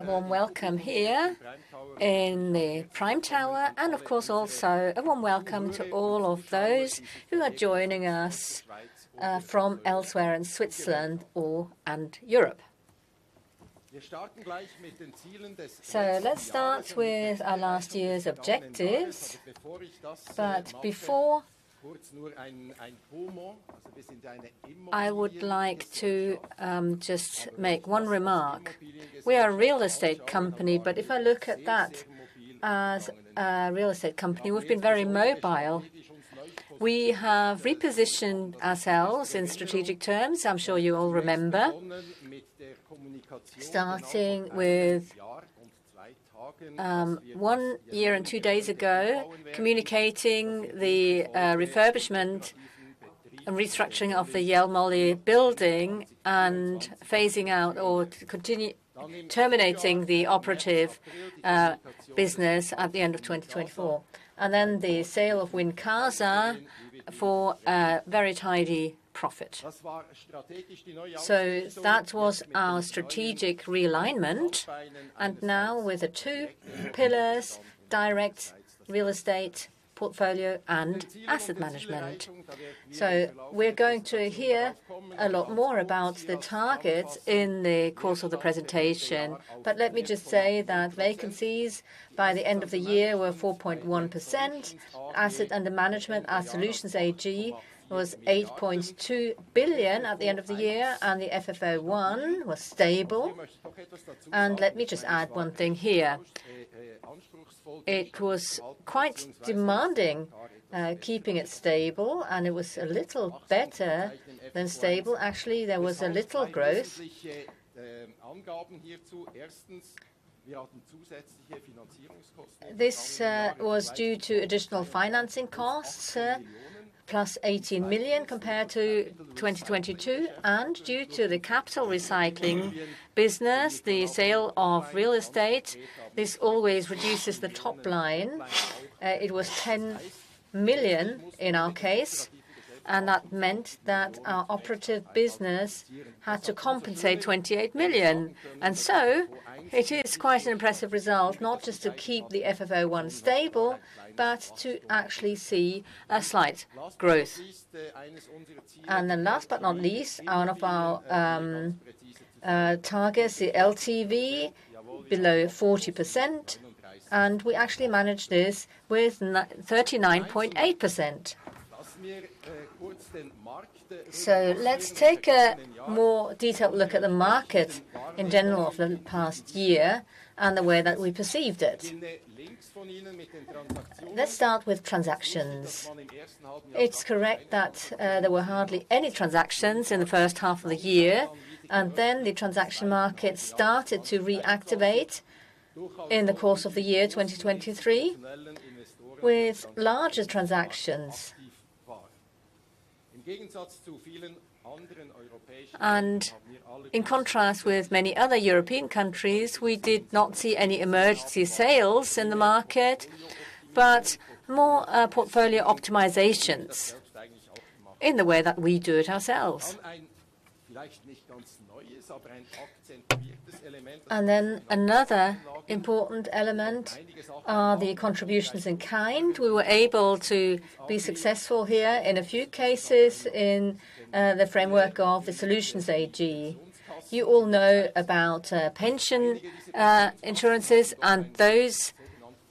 A warm welcome here in the Prime Tower, and of course, also a warm welcome to all of those who are joining us from elsewhere in Switzerland or and Europe. So let's start with our last year's objectives. But before, I would like to just make one remark. We are a real estate company, but if I look at that as a real estate company, we've been very mobile. We have repositioned ourselves in strategic terms. I'm sure you all remember, starting with one year and two days ago, communicating the refurbishment and restructuring of the Jelmoli building and terminating the operative business at the end of 2024, and then the sale of Wincasa for a very tidy profit. So that was our strategic realignment, and now with the two pillars: direct real estate portfolio and asset management. So we're going to hear a lot more about the targets in the course of the presentation. But let me just say that vacancies by the end of the year were 4.1%. Asset under management, our Solutions AG, was 8.2 billion at the end of the year, and the FFO I was stable. And let me just add one thing here. It was quite demanding, keeping it stable, and it was a little better than stable. Actually, there was a little growth. This was due to additional financing costs, plus 18 million compared to 2022, and due to the capital recycling business, the sale of real estate, this always reduces the top line. It was 10 million in our case, and that meant that our operative business had to compensate 28 million. It is quite an impressive result, not just to keep the FFO I stable, but to actually see a slight growth. And then last but not least, one of our targets, the LTV, below 40%, and we actually managed this with 39.8%. So let's take a more detailed look at the market in general for the past year and the way that we perceived it. Let's start with transactions. It's correct that there were hardly any transactions in the first half of the year, and then the transaction market started to reactivate in the course of the year 2023 with larger transactions. And in contrast with many other European countries, we did not see any emergency sales in the market, but more portfolio optimizations in the way that we do it ourselves. Another important element are the contributions in kind. We were able to be successful here in a few cases in the framework of the Solutions AG. You all know about pension insurances, and those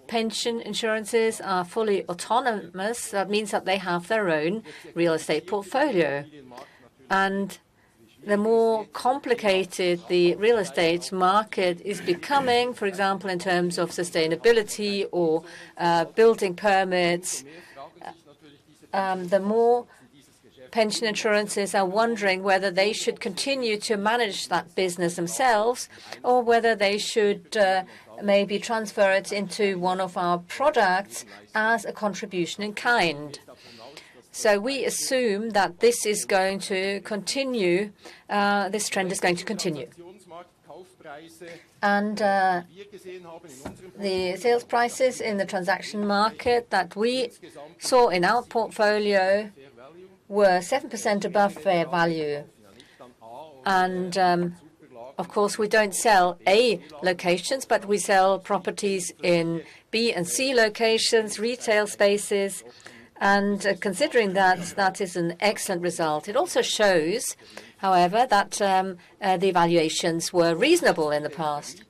pension insurances are fully autonomous. That means that they have their own real estate portfolio. The more complicated the real estate market is becoming, for example, in terms of sustainability or building permits, the more pension insurances are wondering whether they should continue to manage that business themselves, or whether they should maybe transfer it into one of our products as a contribution in kind. We assume that this is going to continue, this trend is going to continue. The sales prices in the transaction market that we saw in our portfolio were 7% above fair value. Of course, we don't sell A locations, but we sell properties in B and C locations, retail spaces, and considering that, that is an excellent result. It also shows, however, that the valuations were reasonable in the past.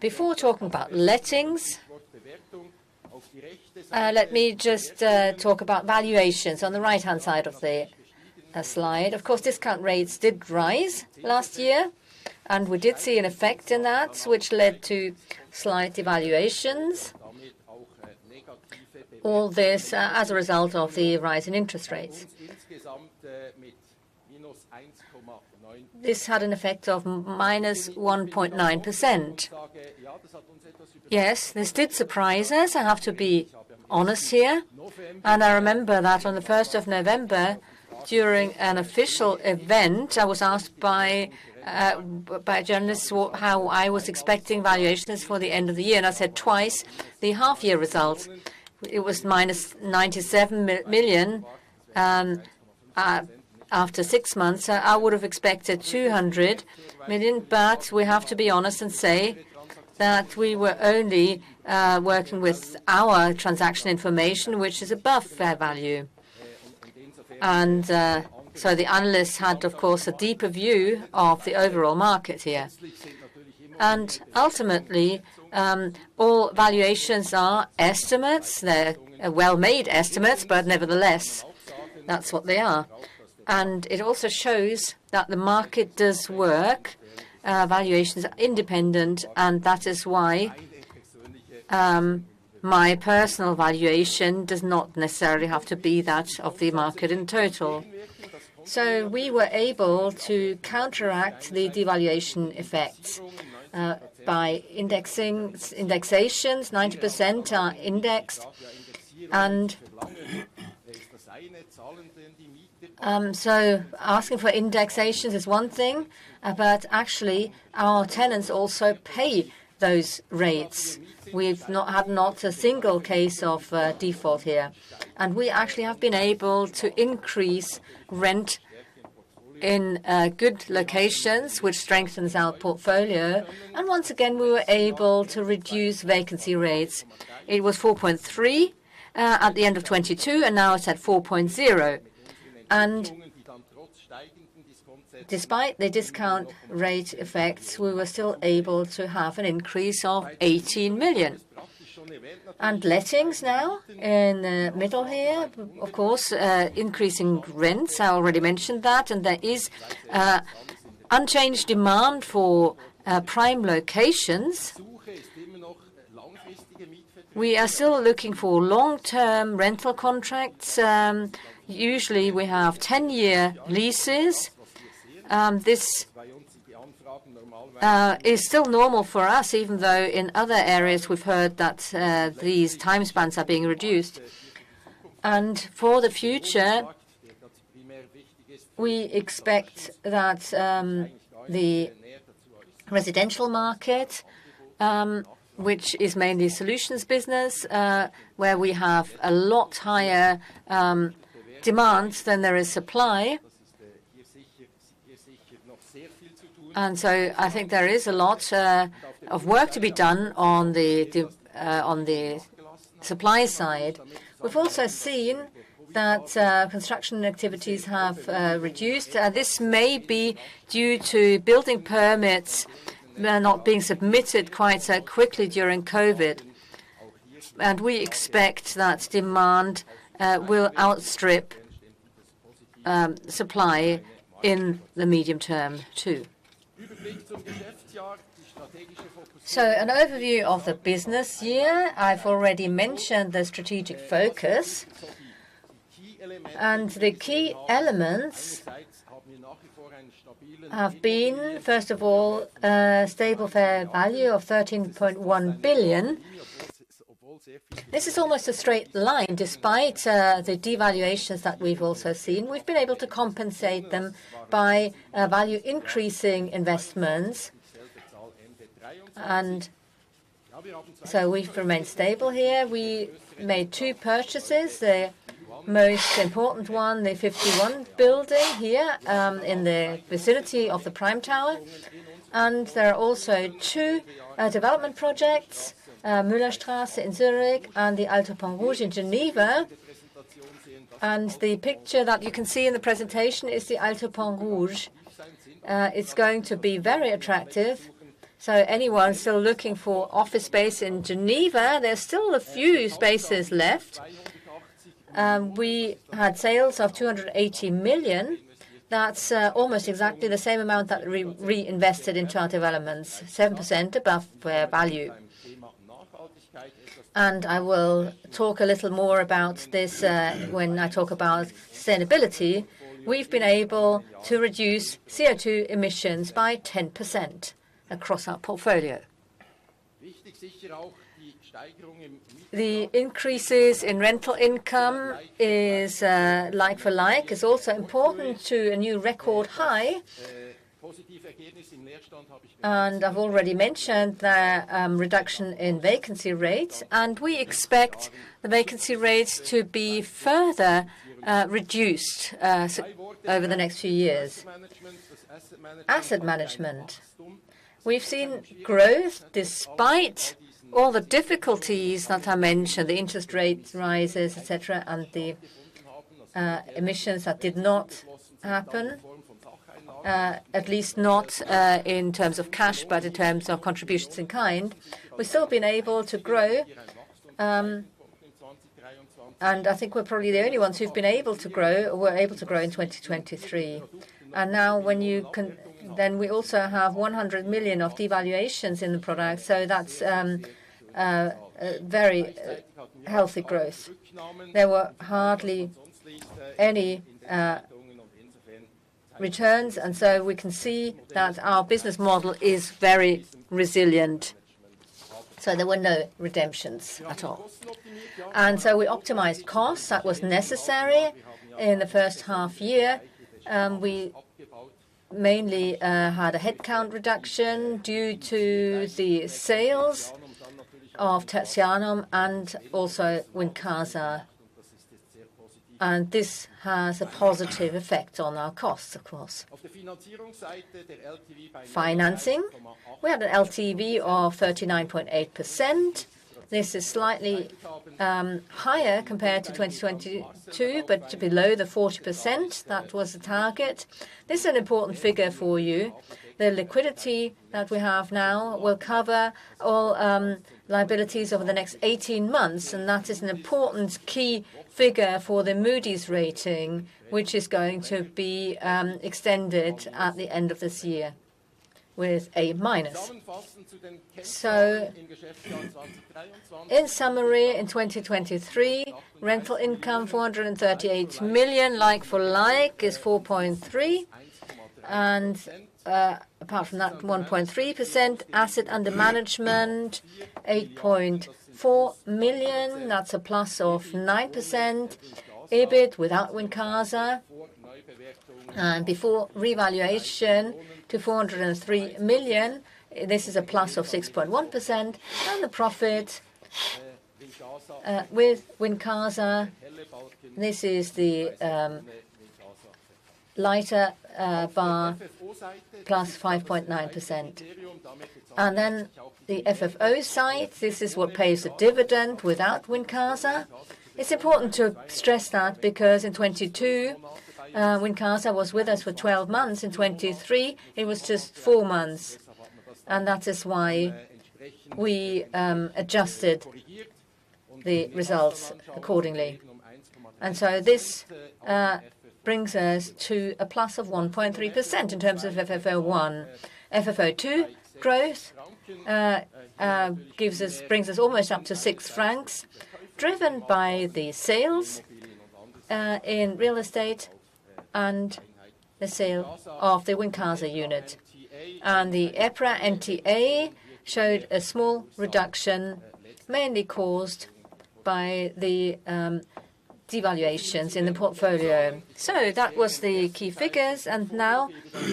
Before talking about lettings, let me just talk about valuations on the right-hand side of the slide. Of course, discount rates did rise last year, and we did see an effect in that, which led to slight devaluations. All this, as a result of the rise in interest rates. This had an effect of -1.9%. Yes, this did surprise us. I have to be honest here, and I remember that on the first of November, during an official event, I was asked by journalists what, how I was expecting valuations for the end of the year, and I said twice the half-year results. It was minus 97 million after six months. I would have expected 200 million, but we have to be honest and say that we were only working with our transaction information, which is above fair value. So the analysts had, of course, a deeper view of the overall market here. And ultimately, all valuations are estimates. They're well-made estimates, but nevertheless, that's what they are. It also shows that the market does work, valuations are independent, and that is why my personal valuation does not necessarily have to be that of the market in total. So we were able to counteract the devaluation effect by indexing, indexations. 90% are indexed. So asking for indexations is one thing, but actually, our tenants also pay those rates. We've not had, not a single case of default here. And we actually have been able to increase rent in good locations, which strengthens our portfolio. And once again, we were able to reduce vacancy rates. It was 4.3 at the end of 2022, and now it's at 4.0. And despite the discount rate effects, we were still able to have an increase of 18 million. And lettings now in middle here, of course, increasing rents, I already mentioned that, and there is unchanged demand for prime locations. We are still looking for long-term rental contracts. Usually, we have 10-year leases. This is still normal for us, even though in other areas we've heard that these time spans are being reduced. And for the future, we expect that the residential market, which is mainly solutions business, where we have a lot higher demands than there is supply. And so I think there is a lot of work to be done on the supply side. We've also seen that construction activities have reduced. This may be due to building permits not being submitted quite so quickly during COVID, and we expect that demand will outstrip supply in the medium term, too. So an overview of the business year, I've already mentioned the strategic focus, and the key elements have been, first of all, a stable fair value of 13.1 billion. This is almost a straight line. Despite the devaluations that we've also seen, we've been able to compensate them by value increasing investments. And so we've remained stable here. We made two purchases. The most important one, the 51 building here, in the vicinity of the Prime Tower. And there are also two development projects, Müllerstrasse in Zürich, and the Alto Pont Rouge in Geneva. And the picture that you can see in the presentation is the Alto Pont Rouge. It's going to be very attractive, so anyone still looking for office space in Geneva, there's still a few spaces left. We had sales of 280 million. That's almost exactly the same amount that we reinvested in chart developments, 7% above fair value. And I will talk a little more about this when I talk about sustainability. We've been able to reduce CO₂ emissions by 10% across our portfolio. The increases in rental income is, like for like, is also important to a new record high. And I've already mentioned the reduction in vacancy rates, and we expect the vacancy rates to be further reduced so over the next few years. Asset management. We've seen growth despite all the difficulties that I mentioned, the interest rates, rises, et cetera, and the emissions that did not happen, at least not in terms of cash, but in terms of contributions in kind. We've still been able to grow, and I think we're probably the only ones who've been able to grow, were able to grow in 2023. And now when you can... Then we also have 100 million of devaluations in the product, so that's a very healthy growth. There were hardly any returns, and so we can see that our business model is very resilient. So there were no redemptions at all. And so we optimized costs. That was necessary in the first half year. We mainly had a headcount reduction due to the sales of Tertianum and also Wincasa. This has a positive effect on our costs, of course. Financing, we have an LTV of 39.8%. This is slightly higher compared to 2022, but below the 40%, that was the target. This is an important figure for you. The liquidity that we have now will cover all liabilities over the next 18 months, and that is an important key figure for the Moody's rating, which is going to be extended at the end of this year with A minus. So in summary, in 2023, rental income, 438 million, like-for-like, is 4.3%. Apart from that, 1.3% asset under management, 8.4 million, that's a plus of 9%. EBIT without Wincasa, before revaluation to 403 million, this is a +6.1%. The profit, with Wincasa, this is the lighter bar, +5.9%. Then the FFO side, this is what pays the dividend without Wincasa. It's important to stress that because in 2022, Wincasa was with us for 12 months, in 2023, it was just four months, and that is why we adjusted the results accordingly. So this brings us to +1.3% in terms of FFO one. FFO two growth brings us almost up to 6 francs, driven by the sales in real estate and the sale of the Wincasa unit. The EPRA NTA showed a small reduction, mainly caused by the devaluations in the portfolio. That was the key figures, and now,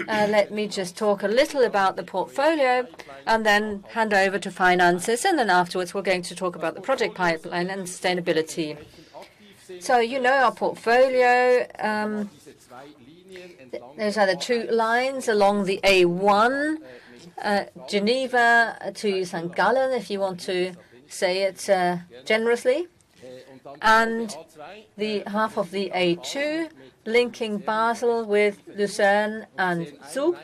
let me just talk a little about the portfolio and then hand over to finances. Then afterwards, we're going to talk about the project pipeline and sustainability. You know our portfolio, those are the two lines along the A1, Geneva to St. Gallen, if you want to say it, generously, and the half of the A2, linking Basel with Lucerne and Zug.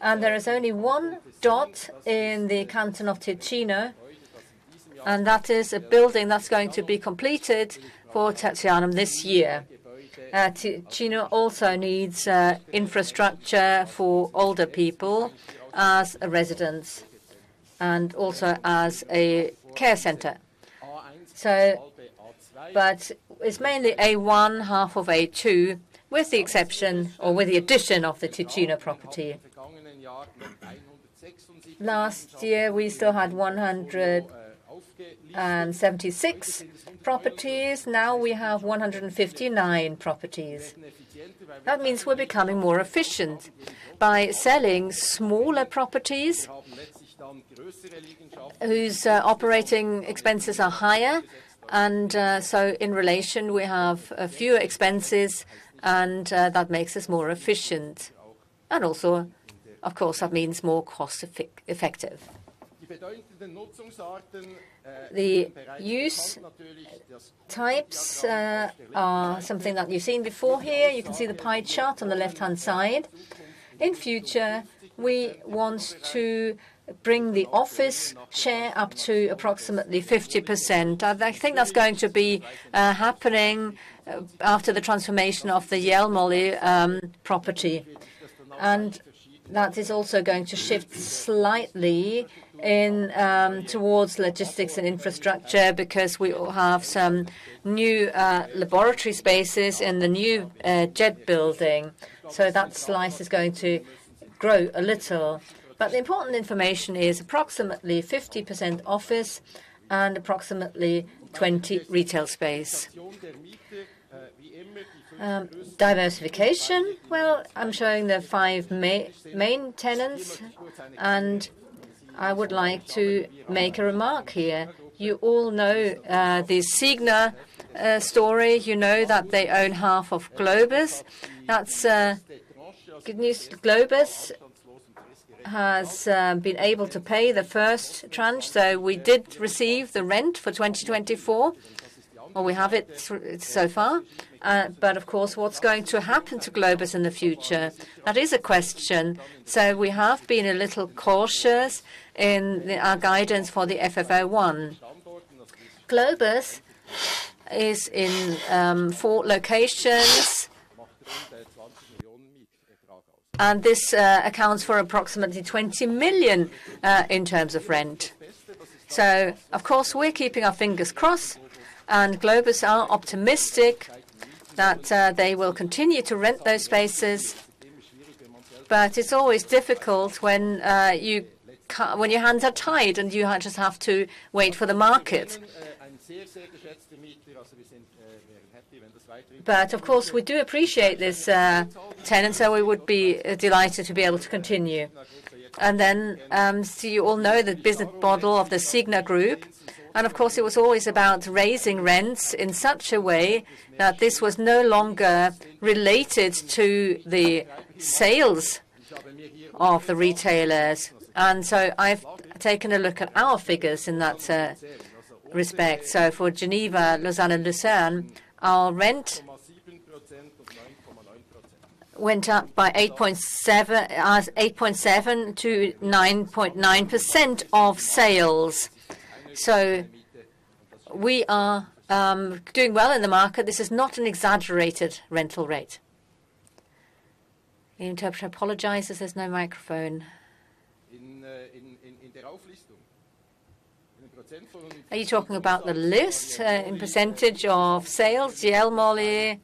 There is only one dot in the canton of Ticino, and that is a building that's going to be completed for Tertianum this year. Ticino also needs infrastructure for older people as a residence and also as a care center. So, but it's mainly A1, half of A2, with the exception or with the addition of the Ticino property. Last year, we still had 176 properties. Now we have 159 properties. That means we're becoming more efficient by selling smaller properties, whose operating expenses are higher. And so in relation, we have a few expenses, and that makes us more efficient. And also, of course, that means more cost effective. The use types are something that you've seen before here. You can see the pie chart on the left-hand side. In future, we want to bring the office share up to approximately 50%. I think that's going to be happening after the transformation of the Jelmoli property. That is also going to shift slightly in, towards logistics and infrastructure because we will have some new, laboratory spaces in the new, JED building. So that slice is going to grow a little. But the important information is approximately 50% office and approximately 20% retail space. Diversification. Well, I'm showing the five main tenants, and I would like to make a remark here. You all know, the Signa story. You know that they own half of Globus. That's good news. Globus has been able to pay the first tranche, so we did receive the rent for 2024, or we have it so far. But of course, what's going to happen to Globus in the future? That is a question. So we have been a little cautious in our guidance for the FFO I. Globus is in four locations, and this accounts for approximately 20 million in terms of rent. So of course, we're keeping our fingers crossed, and Globus are optimistic that they will continue to rent those spaces... but it's always difficult when your hands are tied, and you just have to wait for the market. But of course, we do appreciate this tenant, so we would be delighted to be able to continue. And then, so you all know the business model of the Signa Group, and of course, it was always about raising rents in such a way that this was no longer related to the sales of the retailers. And so I've taken a look at our figures in that respect. So for Geneva, Lausanne, and Lucerne, our rent went up by 8.7% to 9.9% of sales. So we are doing well in the market. This is not an exaggerated rental rate. The interpreter apologizes, there's no microphone. Are you talking about the list in percentage of sales? Jelmoli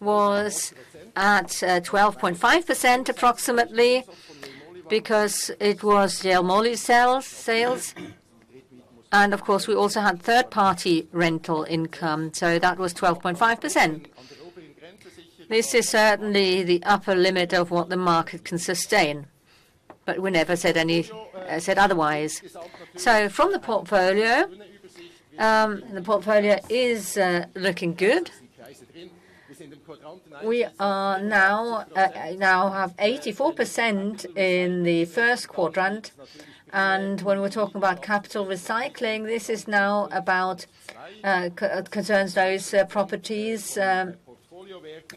was at 12.5% approximately because it was Jelmoli sales, sales. And of course, we also had third-party rental income, so that was 12.5%. This is certainly the upper limit of what the market can sustain, but we never said any, said otherwise. So from the portfolio, the portfolio is looking good. We are now now have 84% in the first quadrant, and when we're talking about capital recycling, this is now about concerns those properties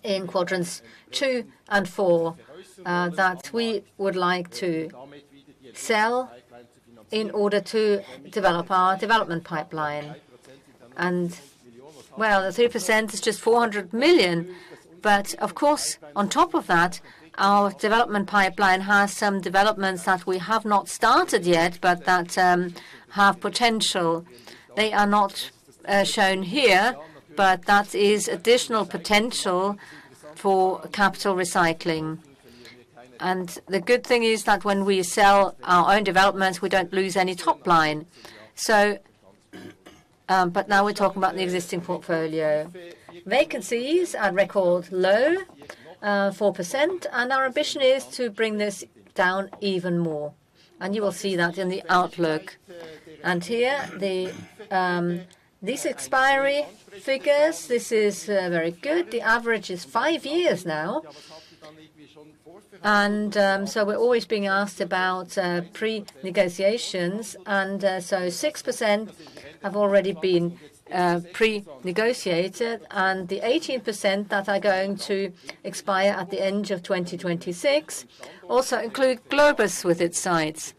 in quadrants two and four that we would like to sell in order to develop our development pipeline. And well, the 3% is just 400 million, but of course, on top of that, our development pipeline has some developments that we have not started yet, but that have potential. They are not shown here, but that is additional potential for capital recycling. And the good thing is that when we sell our own developments, we don't lose any top line. So but now we're talking about the existing portfolio. Vacancies are record low 4%, and our ambition is to bring this down even more, and you will see that in the outlook. And here, this expiry figures, this is very good. The average is five years now. So we're always being asked about pre-negotiations, and so 6% have already been pre-negotiated, and the 18% that are going to expire at the end of 2026 also include Globus with its sites.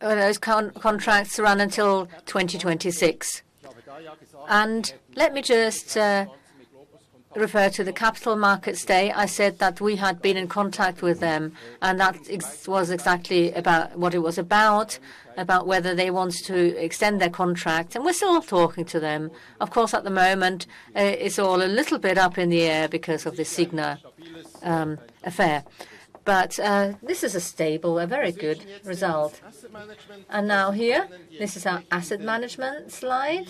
Those contracts run until 2026. And let me just refer to the Capital Markets Day. I said that we had been in contact with them, and that was exactly about what it was about, about whether they wanted to extend their contract, and we're still talking to them. Of course, at the moment, it's all a little bit up in the air because of the Signa affair. But this is a stable, a very good result. Now here, this is our asset management slide.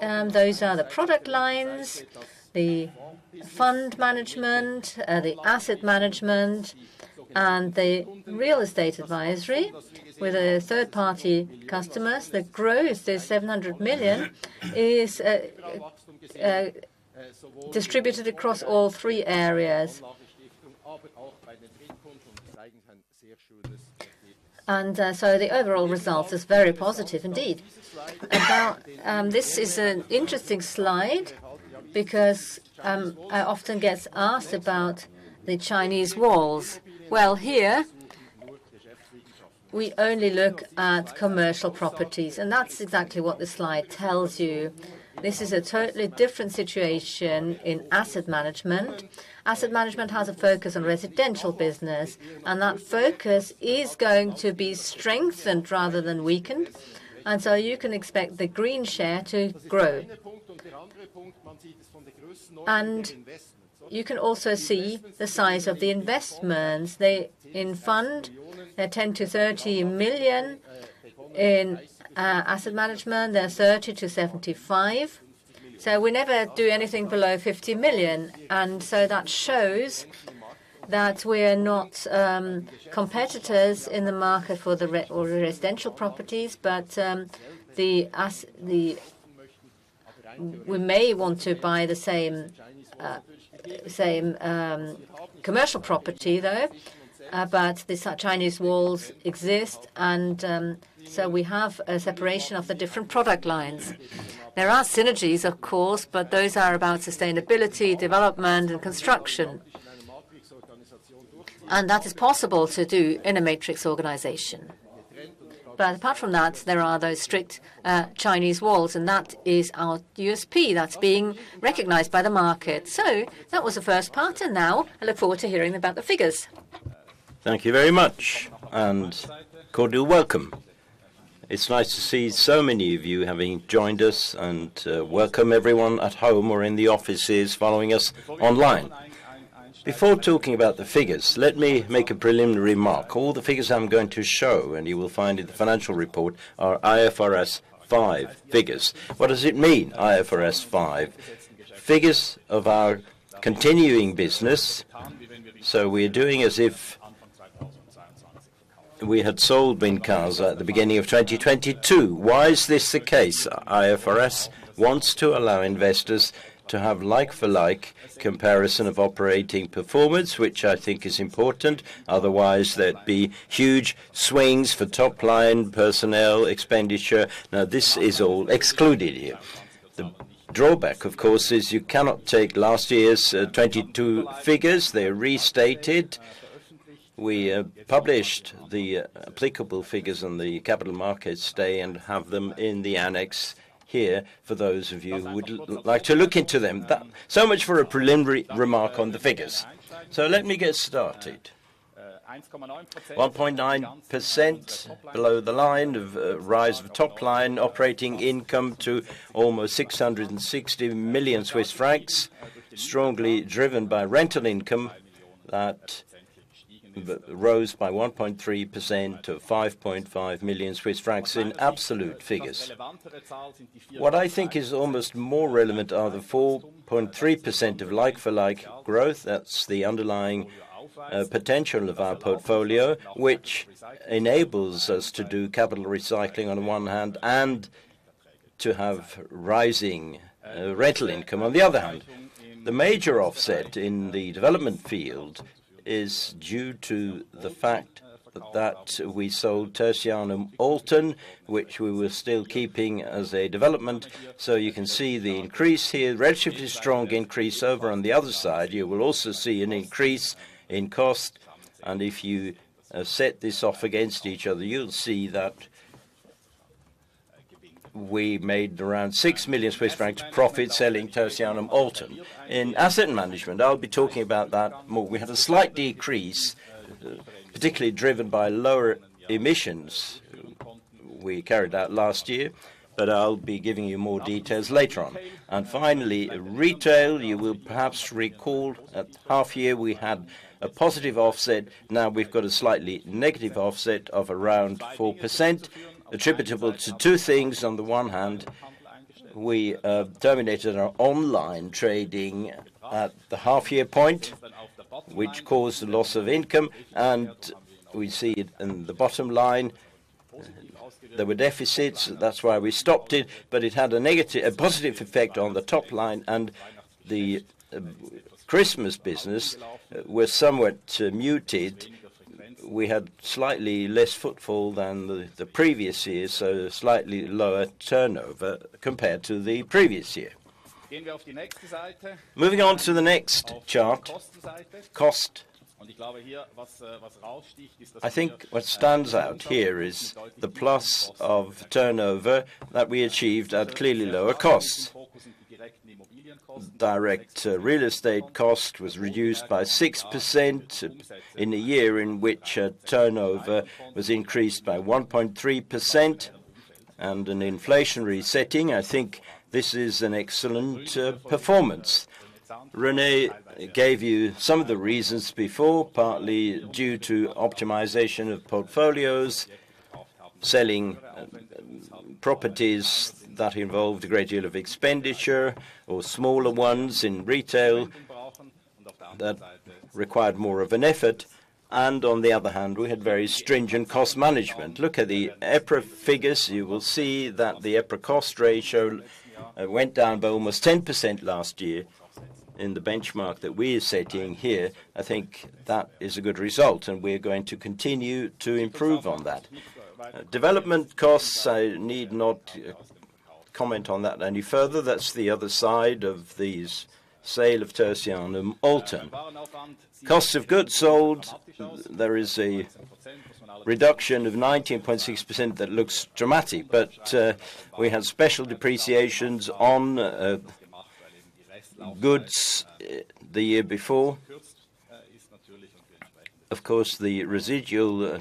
Those are the product lines, the fund management, the asset management, and the real estate advisory with a third-party customers. The growth is 700 million, distributed across all three areas. So the overall result is very positive indeed. This is an interesting slide because, I often get asked about the Chinese walls. Well, here, we only look at commercial properties, and that's exactly what the slide tells you. This is a totally different situation in asset management. Asset management has a focus on residential business, and that focus is going to be strengthened rather than weakened, and so you can expect the green share to grow. And you can also see the size of the investments. They, in fund, they're 10 - 30 million. In asset management, they're 30-75 million. So we never do anything below 50 million, and so that shows that we're not competitors in the market for the re, or the residential properties. But the... We may want to buy the same same commercial property, though. But the Chinese walls exist, and so we have a separation of the different product lines. There are synergies, of course, but those are about sustainability, development, and construction. And that is possible to do in a matrix organization. But apart from that, there are those strict Chinese walls, and that is our USP that's being recognized by the market. So that was the first part, and now I look forward to hearing about the figures. Thank you very much, and a cordial welcome.... It's nice to see so many of you having joined us, and, welcome everyone at home or in the offices following us online. Before talking about the figures, let me make a preliminary remark. All the figures I'm going to show, and you will find in the financial report, are IFRS 5 figures. What does it mean, IFRS 5? Figures of our continuing business, so we're doing as if we had sold Wincasa at the beginning of 2022. Why is this the case? IFRS wants to allow investors to have like-for-like comparison of operating performance, which I think is important. Otherwise, there'd be huge swings for top line personnel, expenditure. Now, this is all excluded here. The drawback, of course, is you cannot take last year's 2022 figures, they are restated. We published the applicable figures on the capital markets day and have them in the annex here for those of you who would like to look into them. That's so much for a preliminary remark on the figures. So let me get started. 1.9% below the line of rise of top line operating income to almost 660 million Swiss francs, strongly driven by rental income that rose by 1.3% to 5.5 million Swiss francs in absolute figures. What I think is almost more relevant are the 4.3% of like-for-like growth. That's the underlying potential of our portfolio, which enables us to do capital recycling on one hand and to have rising rental income on the other hand. The major offset in the development field is due to the fact that we sold Tertianum Olten, which we were still keeping as a development. So you can see the increase here, relatively strong increase over on the other side. You will also see an increase in cost, and if you set this off against each other, you'll see that we made around 6 million Swiss francs profit selling Tertianum Olten. In asset management, I'll be talking about that more. We had a slight decrease, particularly driven by lower emissions we carried out last year, but I'll be giving you more details later on. And finally, retail, you will perhaps recall at half year, we had a positive offset. Now we've got a slightly negative offset of around 4%, attributable to two things. On the one hand, we terminated our online trading at the half year point, which caused a loss of income, and we see it in the bottom line. There were deficits, that's why we stopped it, but it had a negative-- a positive effect on the top line, and the Christmas business was somewhat muted. We had slightly less footfall than the previous year, so slightly lower turnover compared to the previous year. Moving on to the next chart, cost. I think what stands out here is the plus of turnover that we achieved at clearly lower costs. Direct real estate cost was reduced by 6% in a year in which turnover was increased by 1.3% and an inflationary setting. I think this is an excellent performance. René gave you some of the reasons before, partly due to optimization of portfolios, selling, properties that involved a great deal of expenditure, or smaller ones in retail that required more of an effort, and on the other hand, we had very stringent cost management. Look at the EPRA figures, you will see that the EPRA cost ratio went down by almost 10% last year in the benchmark that we are setting here. I think that is a good result, and we're going to continue to improve on that. Development costs, I need not comment on that any further. That's the other side of these sale of Tertianum Olten. Cost of goods sold, there is a reduction of 19.6% that looks dramatic, but, we had special depreciations on, goods, the year before. Of course, the residual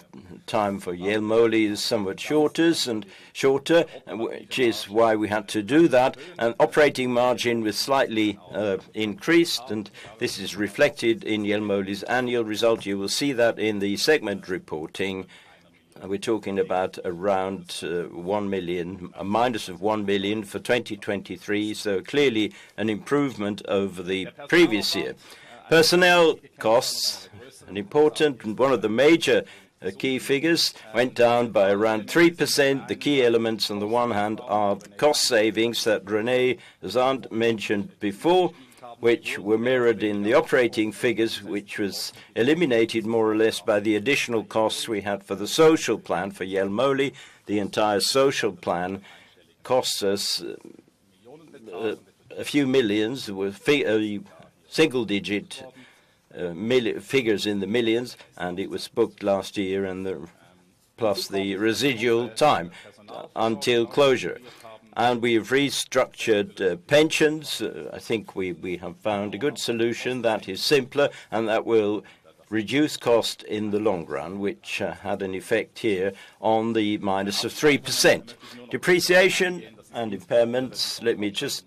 time for Jelmoli is somewhat shorter and shorter, which is why we had to do that. Operating margin was slightly increased, and this is reflected in Jelmoli's annual result. You will see that in the segment reporting, we're talking about around a minus of 1 million for 2023, so clearly an improvement over the previous year. Personnel costs, an important and one of the major key figures, went down by around 3%. The key elements, on the one hand, are the cost savings that René Zahnd mentioned before, which were mirrored in the operating figures, which was eliminated more or less by the additional costs we had for the social plan. For Jelmoli, the entire social plan costs us CHF a few million, with single-digit figures in the millions, and it was booked last year plus the residual time until closure. We have restructured pensions. I think we have found a good solution that is simpler, and that will reduce cost in the long run, which had an effect here on the -3%. Depreciation and impairments, let me just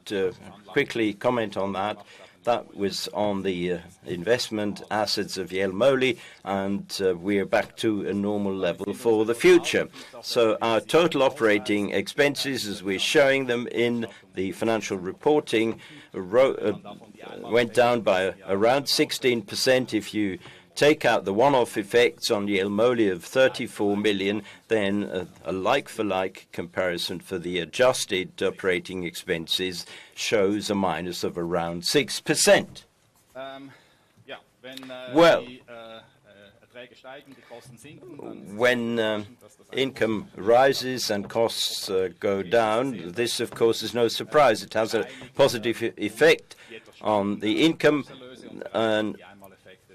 quickly comment on that. That was on the investment assets of Jelmoli, and we are back to a normal level for the future. So our total operating expenses, as we're showing them in the financial reporting, went down by around 16%. If you take out the one-off effects on Jelmoli of 34 million, then a like-for-like comparison for the adjusted operating expenses shows a minus of around 6%. Well, when income rises and costs go down, this, of course, is no surprise. It has a positive effect on the income. And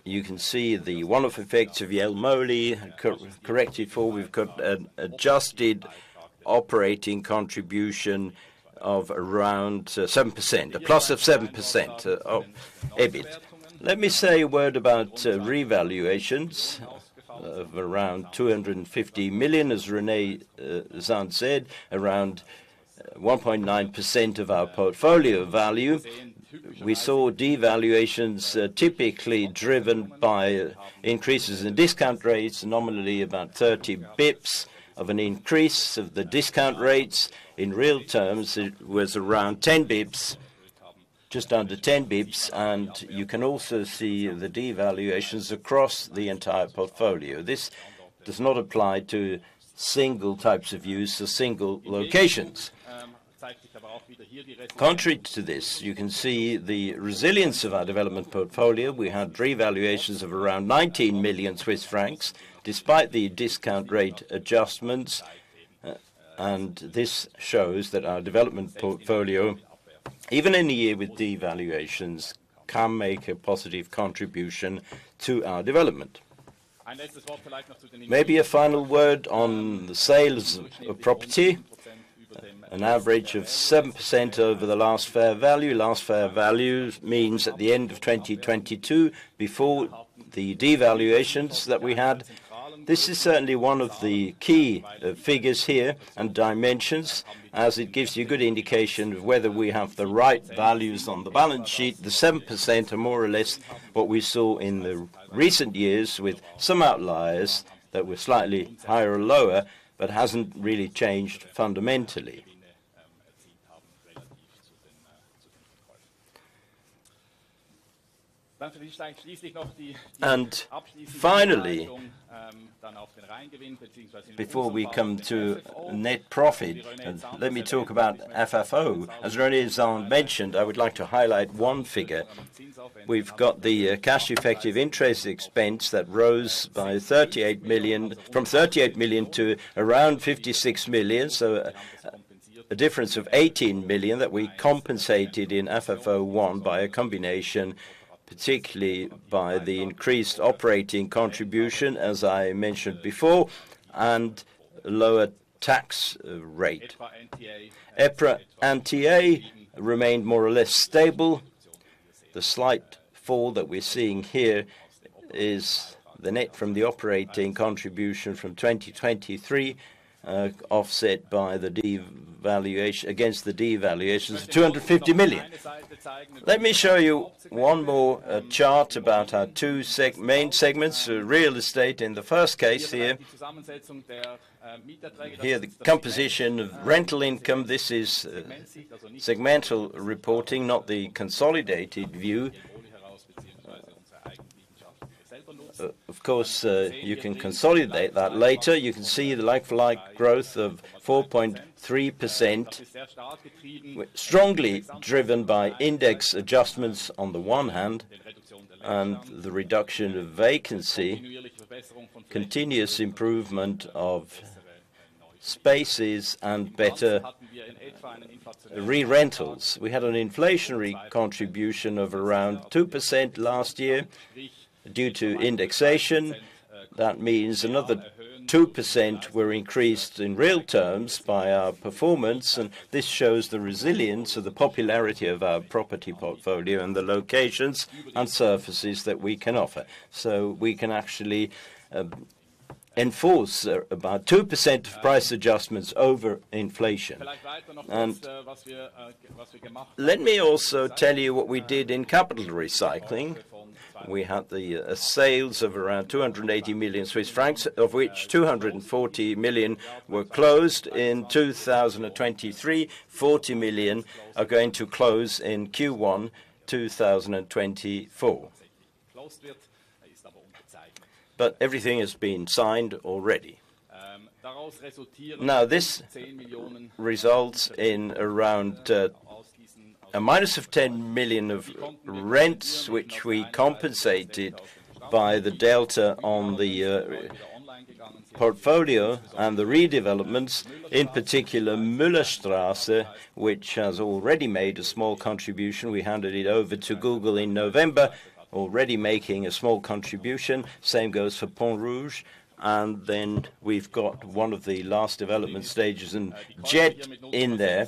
you can see the one-off effects of Jelmoli corrected, for we've got an adjusted operating contribution of around 7%, a plus of 7% of EBIT. Let me say a word about revaluations of around 250 million, as René Zahnd said, around 1.9% of our portfolio value. We saw devaluations, typically driven by increases in discount rates, nominally about 30 basis points, of an increase of the discount rates. In real terms, it was around 10bps, just under 10bps, and you can also see the devaluations across the entire portfolio. This does not apply to single types of use or single locations. Contrary to this, you can see the resilience of our development portfolio. We had revaluations of around 19 million Swiss francs, despite the discount rate adjustments. And this shows that our development portfolio, even in a year with devaluations, can make a positive contribution to our development. Maybe a final word on the sales of property, an average of 7% over the last fair value. Last fair value means at the end of 2022, before the devaluations that we had. This is certainly one of the key figures here and dimensions, as it gives you a good indication of whether we have the right values on the balance sheet. The 7% are more or less what we saw in the recent years, with some outliers that were slightly higher or lower, but hasn't really changed fundamentally. Finally, before we come to net profit, let me talk about FFO. As René Zahnd mentioned, I would like to highlight one figure. We've got the cash effective interest expense that rose by 38 million from 38 to around 56 million, so a difference of 18 million that we compensated in FFO I by a combination, particularly by the increased operating contribution, as I mentioned before, and lower tax rate. EPRA NTA remained more or less stable. The slight fall that we're seeing here is the net from the operating contribution from 2023 offset by the devaluation against the devaluations of 250 million. Let me show you one more chart about our two main segments, real estate, in the first case here. Here, the composition of rental income, this is segmental reporting, not the consolidated view. Of course, you can consolidate that later. You can see the like-for-like growth of 4.3%, strongly driven by index adjustments on the one hand, and the reduction of vacancy, continuous improvement of spaces, and better re-rentals. We had an inflationary contribution of around 2% last year due to indexation. That means another 2% were increased in real terms by our performance, and this shows the resilience of the popularity of our property portfolio and the locations and services that we can offer. So we can actually enforce about 2% price adjustments over inflation. Let me also tell you what we did in capital recycling. We had the sales of around 280 million Swiss francs, of which 240 million were closed in 2023. 40 million are going to close in Q1 2024. But everything has been signed already. Now, this results in around a minus of 10 million of rents, which we compensated by the delta on the portfolio and the redevelopments, in particular, Müllerstrasse, which has already made a small contribution. We handed it over to Google in November, already making a small contribution. Same goes for Pont Rouge, and then we've got one of the last development stages in JED in there.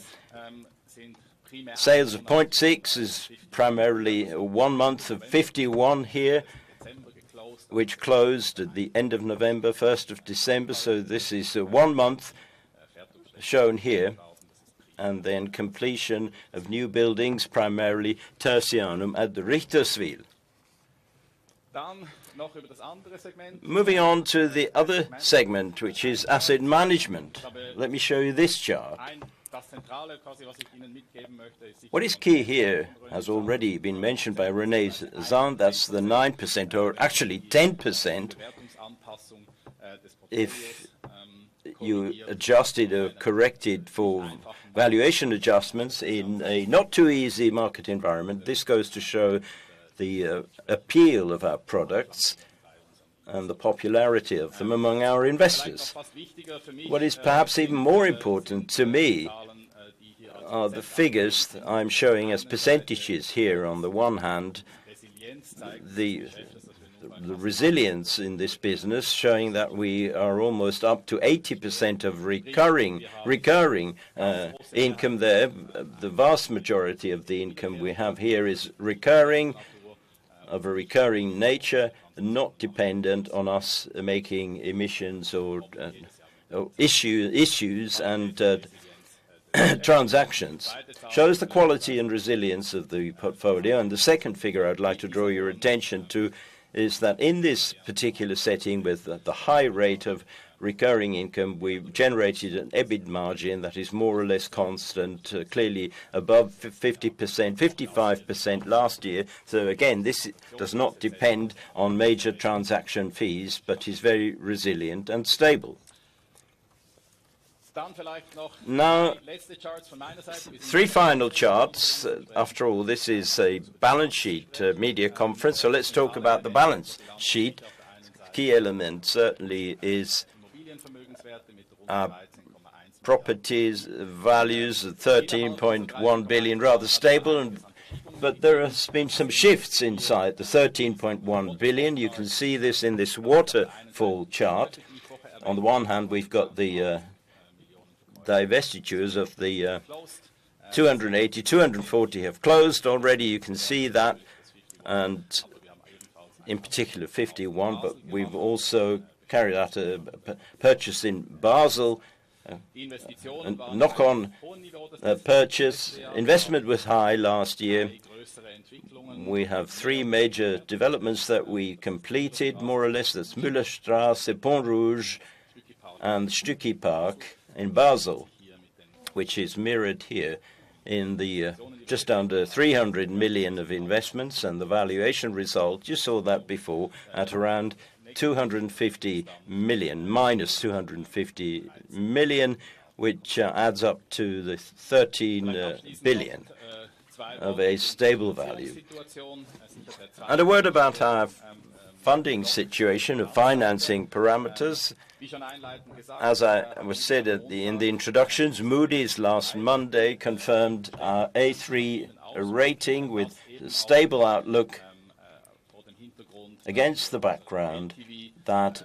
Sales of 0.6 is primarily one month of 51 here, which closed at the end of November, first of December. So this is one month shown here, and then completion of new buildings, primarily Tertianum at the Richterswil. Moving on to the other segment, which is asset management. Let me show you this chart. What is key here, has already been mentioned by René Zahnd, that's the 9%, or actually 10%. If you adjusted or corrected for valuation adjustments in a not too easy market environment, this goes to show the appeal of our products and the popularity of them among our investors. What is perhaps even more important to me are the figures I'm showing as percentages here. On the one hand, the resilience in this business, showing that we are almost up to 80% of recurring income there. The vast majority of the income we have here is recurring, of a recurring nature, not dependent on us making emissions or, issues and, transactions. Shows the quality and resilience of the portfolio. The second figure I'd like to draw your attention to is that in this particular setting, with the high rate of recurring income, we've generated an EBIT margin that is more or less constant, clearly above 50%, 55% last year. So again, this does not depend on major transaction fees, but is very resilient and stable. Now, three final charts. After all, this is a balance sheet media conference, so let's talk about the balance sheet. Key element certainly is properties values, 13.1 billion, rather stable and but there has been some shifts inside the 13.1 billion. You can see this in this waterfall chart. On the one hand, we've got the divestitures of the 280 million. 240 million have closed already. You can see that, and in particular, 51 million, but we've also carried out a purchase in Basel, a knock-on purchase. Investment was high last year. We have three major developments that we completed, more or less. That's Müllerstrasse, Pont Rouge, and Stücki Park in Basel, which is mirrored here in the just under 300 million of investments. And the valuation result, you saw that before, at around 250 million, minus 250 million, which adds up to the 13 billion of a stable value. And a word about our funding situation of financing parameters. As I said in the introductions, Moody's last Monday confirmed our A3 rating with stable outlook against the background that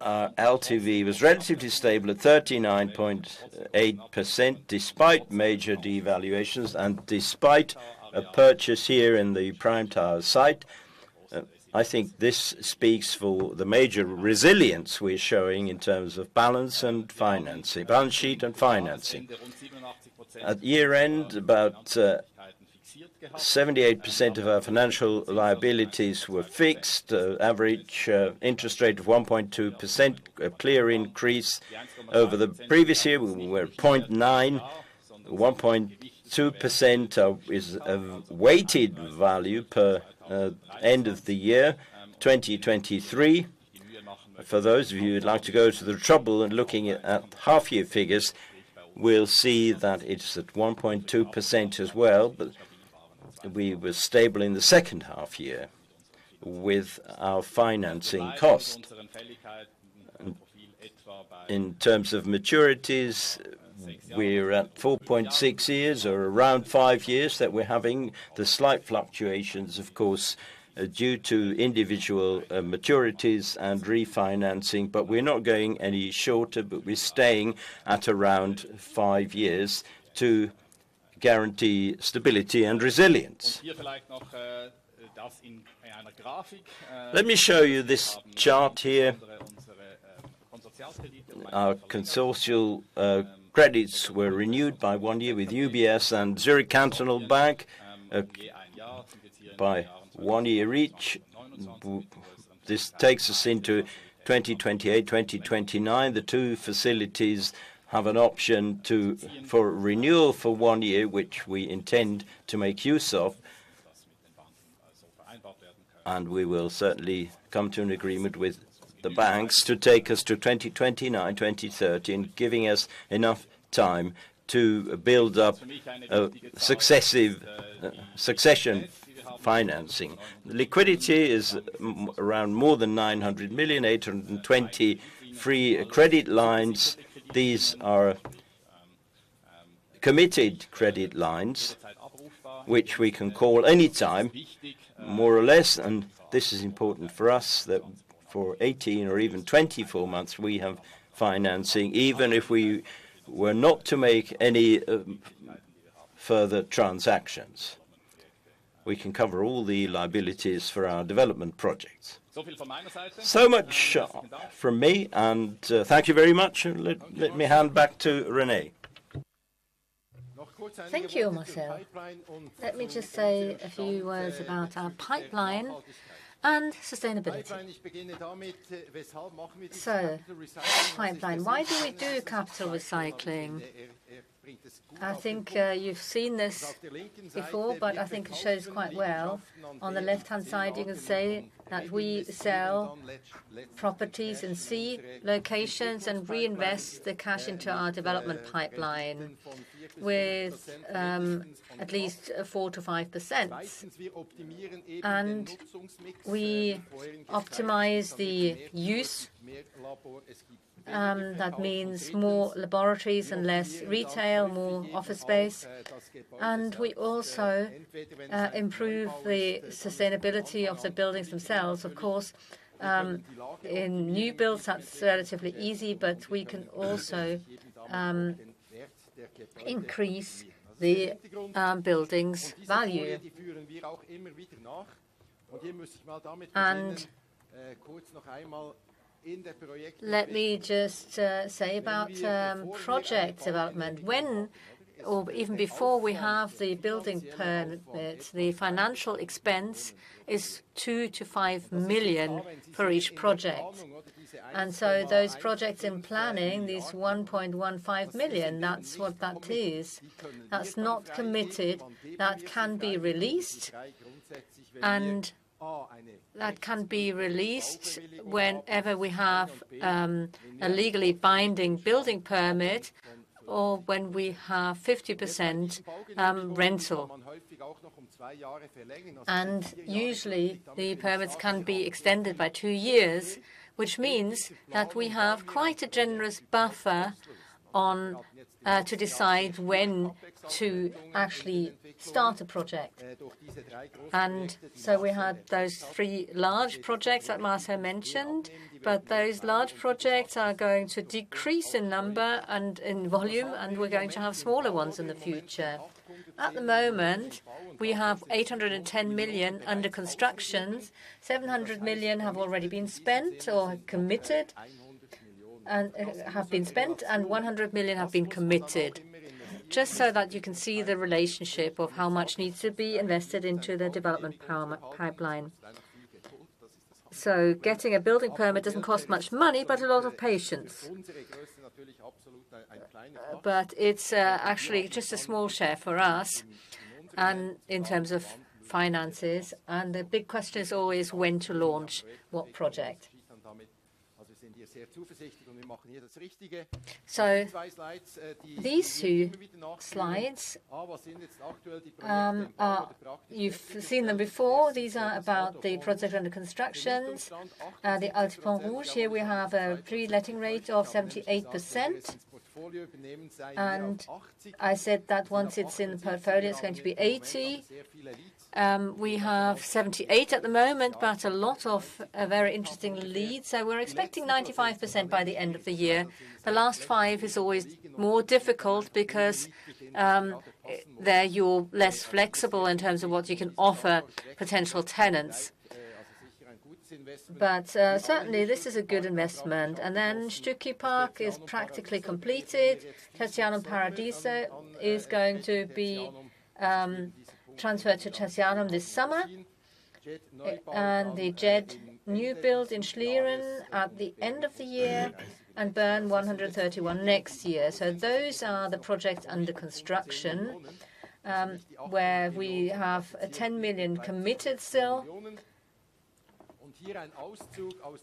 our LTV was relatively stable at 39.8%, despite major devaluations and despite a purchase here in the Prime Tower site. I think this speaks for the major resilience we're showing in terms of balance and financing, balance sheet and financing. At year-end, about 78% of our financial liabilities were fixed. Average interest rate of 1.2%, a clear increase over the previous year, we were at 0.9%. 1.2% is a weighted value per end of the year, 2023. For those of you who'd like to go to the trouble in looking at half year figures, will see that it's at 1.2% as well, but we were stable in the second half year with our financing cost. In terms of maturities, we're at 4.6 years or around five years, that we're having the slight fluctuations, of course, due to individual maturities and refinancing, but we're not going any shorter, but we're staying at around five years to guarantee stability and resilience. Let me show you this chart here. Our consortium credits were renewed by one year with UBS and Zürich Cantonal Bank, by one year each. This takes us into 2028, 2029. The two facilities have an option to for renewal for one year, which we intend to make use of. We will certainly come to an agreement with the banks to take us to 2029, 2030, and giving us enough time to build up a successive, succession financing. Liquidity is around more than 900 million, 820 free credit lines. These are committed credit lines, which we can call anytime, more or less, and this is important for us that for 18 or even 24 months we have financing, even if we were not to make any further transactions. We can cover all the liabilities for our development projects. So much from me, and thank you very much, and let me hand back to René. Thank you, Marcel. Let me just say a few words about our pipeline and sustainability. So, pipeline, why do we do capital recycling? I think you've seen this before, but I think it shows quite well. On the left-hand side, you can see that we sell properties and C locations, and reinvest the cash into our development pipeline with at least 4%-5%. And we optimize the use, that means more laboratories and less retail, more office space. And we also improve the sustainability of the buildings themselves. Of course, in new builds, that's relatively easy, but we can also increase the building's value. And let me just say about project development. When or even before we have the building permit, the financial expense is 2- 5 million for each project. So those projects in planning, this 1.15 million, that's what that is. That's not committed, that can be released, and that can be released whenever we have a legally binding building permit or when we have 50% rental. Usually, the permits can be extended by two years, which means that we have quite a generous buffer on to decide when to actually start a project. So we had those three large projects that Marcel mentioned, but those large projects are going to decrease in number and in volume, and we're going to have smaller ones in the future. At the moment, we have 810 million under constructions, 700 million have already been spent or committed, and have been spent, and 100 million have been committed. Just so that you can see the relationship of how much needs to be invested into the development pipeline. So getting a building permit doesn't cost much money, but a lot of patience. But it's actually just a small share for us, and in terms of finances, and the big question is always when to launch what project. So these two slides, you've seen them before. These are about the projects under construction. The Alto Pont Rouge, here we have a pre-letting rate of 78%, and I said that once it's in the portfolio, it's going to be 80%. We have 78% at the moment, but a lot of very interesting leads, so we're expecting 95% by the end of the year. The last five is always more difficult because there you're less flexible in terms of what you can offer potential tenants. But certainly, this is a good investment. And then Stücki Park is practically completed. Tertianum Paradiso is going to be transferred to Tertianum this summer. And the JED new build in Schlieren at the end of the year, and Bern 131 next year. So those are the projects under construction, where we have 10 million committed still.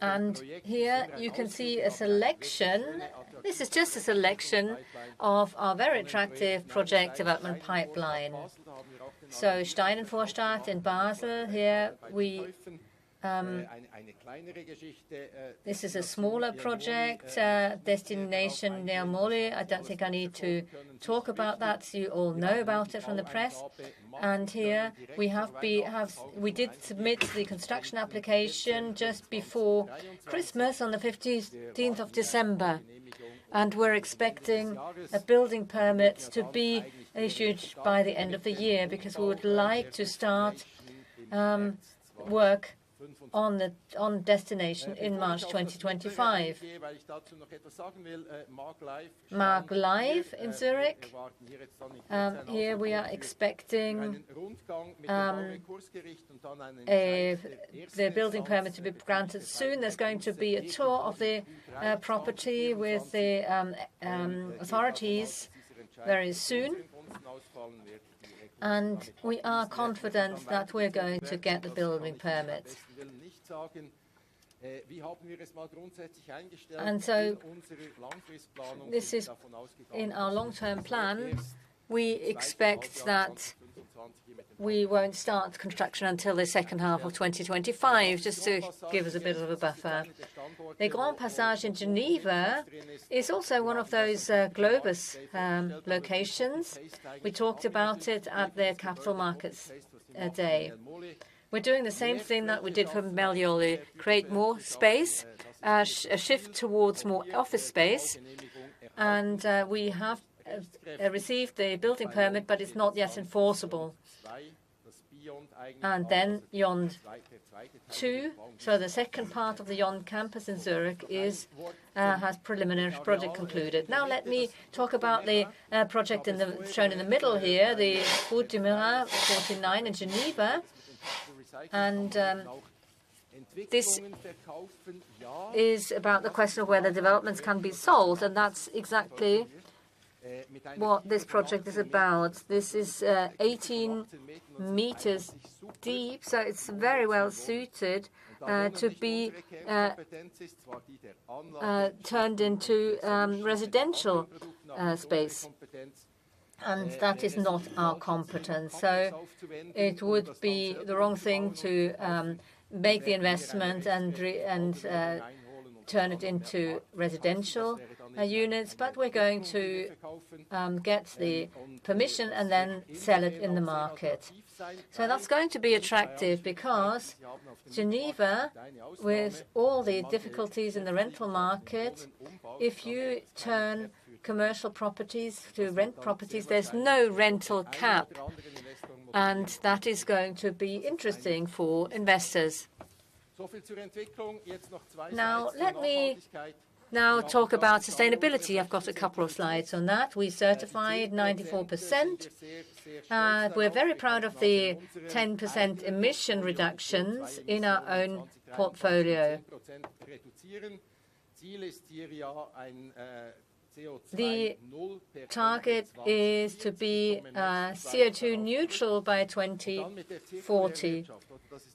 And here you can see a selection. This is just a selection of our very attractive project development pipeline. So Steinenvorstadt in Basel, here we. This is a smaller project, Destination near Murifeld. I don't think I need to talk about that. You all know about it from the press. Here we did submit the construction application just before Christmas, on the fifteenth of December, and we're expecting a building permit to be issued by the end of the year, because we would like to start work on Destination in March 2025. Maaglive in Zürich, here we are expecting the building permit to be granted soon. There's going to be a tour of the property with the authorities very soon. And we are confident that we're going to get the building permit. And so this is in our long-term plan. We expect we won't start the construction until the second half of 2025, just to give us a bit of a buffer. The Grand Passage in Geneva is also one of those Globus locations. We talked about it at their capital markets day. We're doing the same thing that we did for [Migliori], create more space, a shift towards more office space, and we have received a building permit, but it's not yet enforceable. Then YOND 2, so the second part of the YOND Campus in Zürich is has preliminary project concluded. Now let me talk about the project shown in the middle here, the Route de Meyrin 49 in Geneva. This is about the question of whether developments can be sold, and that's exactly what this project is about. This is 18 meters deep, so it's very well suited to be turned into residential space. That is not our competence. So it would be the wrong thing to make the investment and turn it into residential units. But we're going to get the permission and then sell it in the market. So that's going to be attractive because Geneva, with all the difficulties in the rental market, if you turn commercial properties to rent properties, there's no rental cap, and that is going to be interesting for investors. Now, let me now talk about sustainability. I've got a couple of slides on that. We certified 94%. We're very proud of the 10% emission reductions in our own portfolio. The target is to be CO2 neutral by 2040.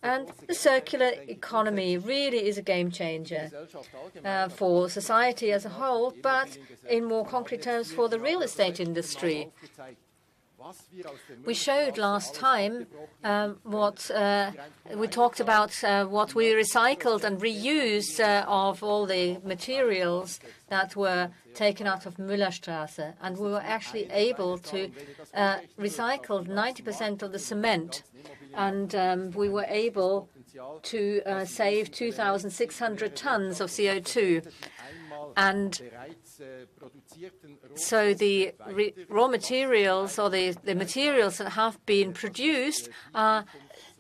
And the circular economy really is a game changer for society as a whole, but in more concrete terms, for the real estate industry. We showed last time what we talked about what we recycled and reused of all the materials that were taken out of Müllerstrasse, and we were actually able to recycle 90% of the cement, and we were able to save 2,600 tons of CO2. And so the raw materials or the materials that have been produced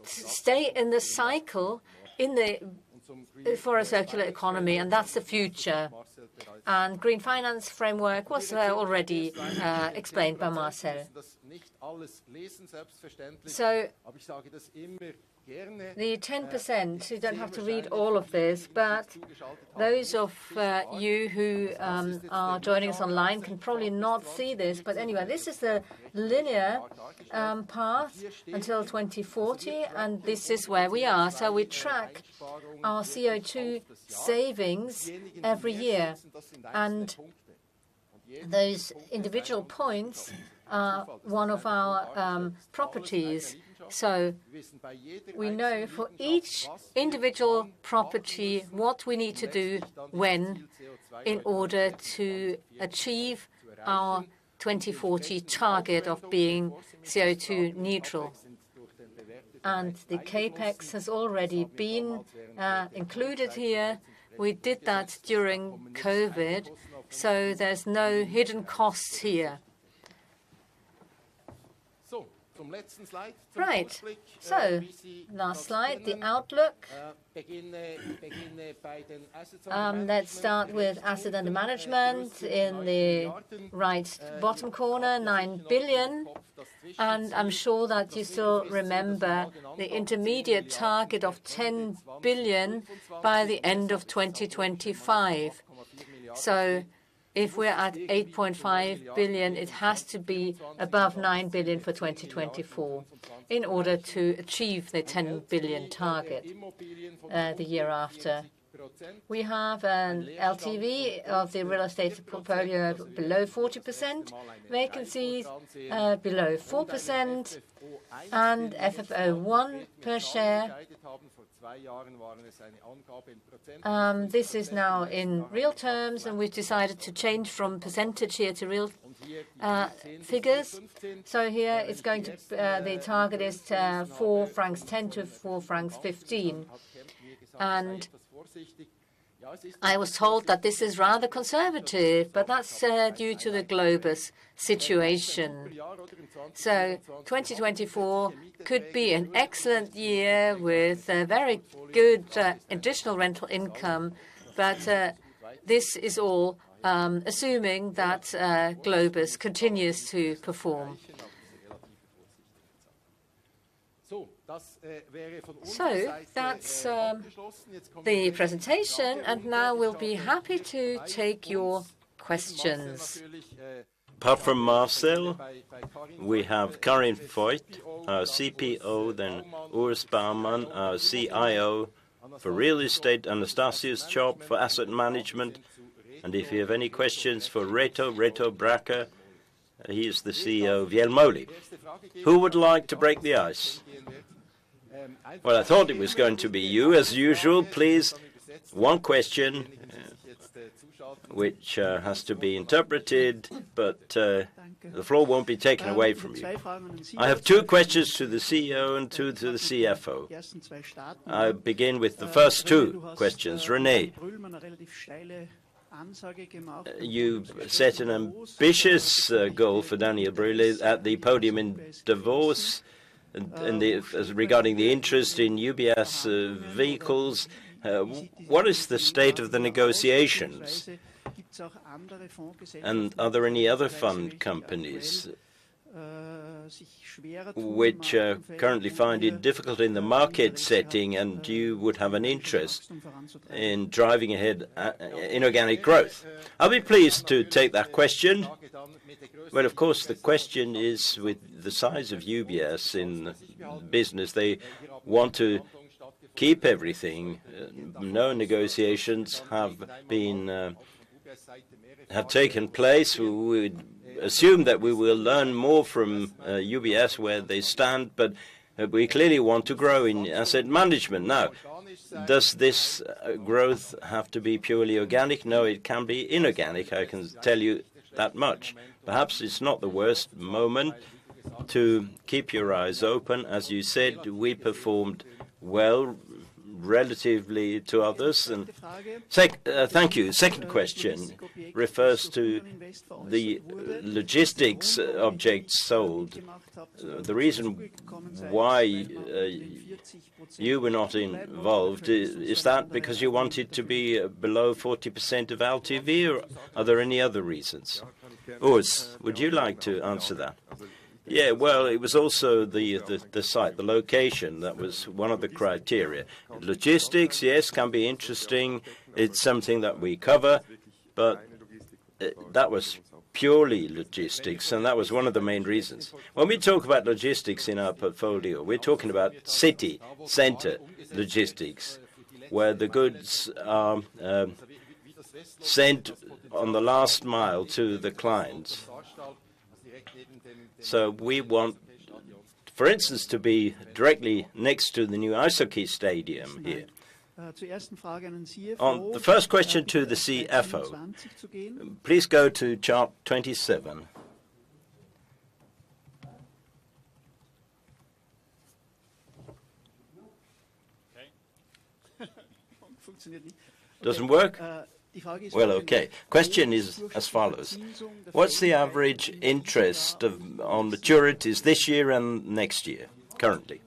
stay in the cycle in the for a circular economy, and that's the future. And green finance framework was already explained by Marcel. So the 10%, you don't have to read all of this, but those of you who are joining us online can probably not see this. But anyway, this is the linear path until 2040, and this is where we are. So we track our CO2 savings every year, and those individual points are one of our properties. So we know for each individual property, what we need to do when, in order to achieve our 2040 target of being CO2 neutral. And the CapEx has already been included here. We did that during COVID, so there's no hidden costs here. So, last slide, the outlook. Let's start with asset under management. In the right bottom corner, 9 billion, and I'm sure that you still remember the intermediate target of 10 billion by the end of 2025. So if we're at 8.5 billion, it has to be above 9 billion for 2024 in order to achieve the 10 billion target, the year after. We have an LTV of the real estate portfolio below 40%, vacancies below 4%, and FFO I per share. This is now in real terms, and we've decided to change from percentage here to real figures. So here it's going to the target is 4.10 francs- 4.15. And I was told that this is rather conservative, but that's due to the Globus situation. So 2024 could be an excellent year with very good additional rental income. But this is all assuming that Globus continues to perform. So that's the presentation, and now we'll be happy to take your questions. Apart from Marcel, we have Karin Voigt, our CPO, then Urs Baumann, our CIO for real estate, Anastasius Tschopp for asset management, and if you have any questions for Reto, Reto Brägger, he is the CEO of Jelmoli. Who would like to break the ice? Well, I thought it was going to be you, as usual. Please, one question, which has to be interpreted, but the floor won't be taken away from you. I have two questions to the CEO and two to the CFO. I'll begin with the first two questions. René, you set an ambitious goal for [Daniel Brühl] at the podium in Davos, in, in the-- as regarding the interest in UBS vehicles. What is the state of the negotiations? And are there any other fund companies which currently find it difficult in the market setting, and you would have an interest in driving ahead inorganic growth? I'll be pleased to take that question. Well, of course, the question is with the size of UBS in business, they want to keep everything. No negotiations have taken place. We would assume that we will learn more from UBS, where they stand, but we clearly want to grow in asset management. Now, does this growth have to be purely organic? No, it can be inorganic. I can tell you that much. Perhaps it's not the worst moment to keep your eyes open. As you said, we performed well relatively to others. Thank you. Second question refers to the logistics objects sold. The reason why you were not involved is that because you wanted to be below 40% of LTV, or are there any other reasons? [Urs] would you like to answer that? Yeah, well, it was also the site, the location, that was one of the criteria. Logistics, yes, can be interesting. It's something that we cover, but that was purely logistics, and that was one of the main reasons. When we talk about logistics in our portfolio, we're talking about city center logistics, where the goods are sent on the last mile to the clients. So we want, for instance, to be directly next to the new ice hockey stadium here. On the first question to the CFO, please go to chart 27. Okay. Doesn't work? Well, okay. Question is as follows: What's the average interest on maturities this year and next year, currently?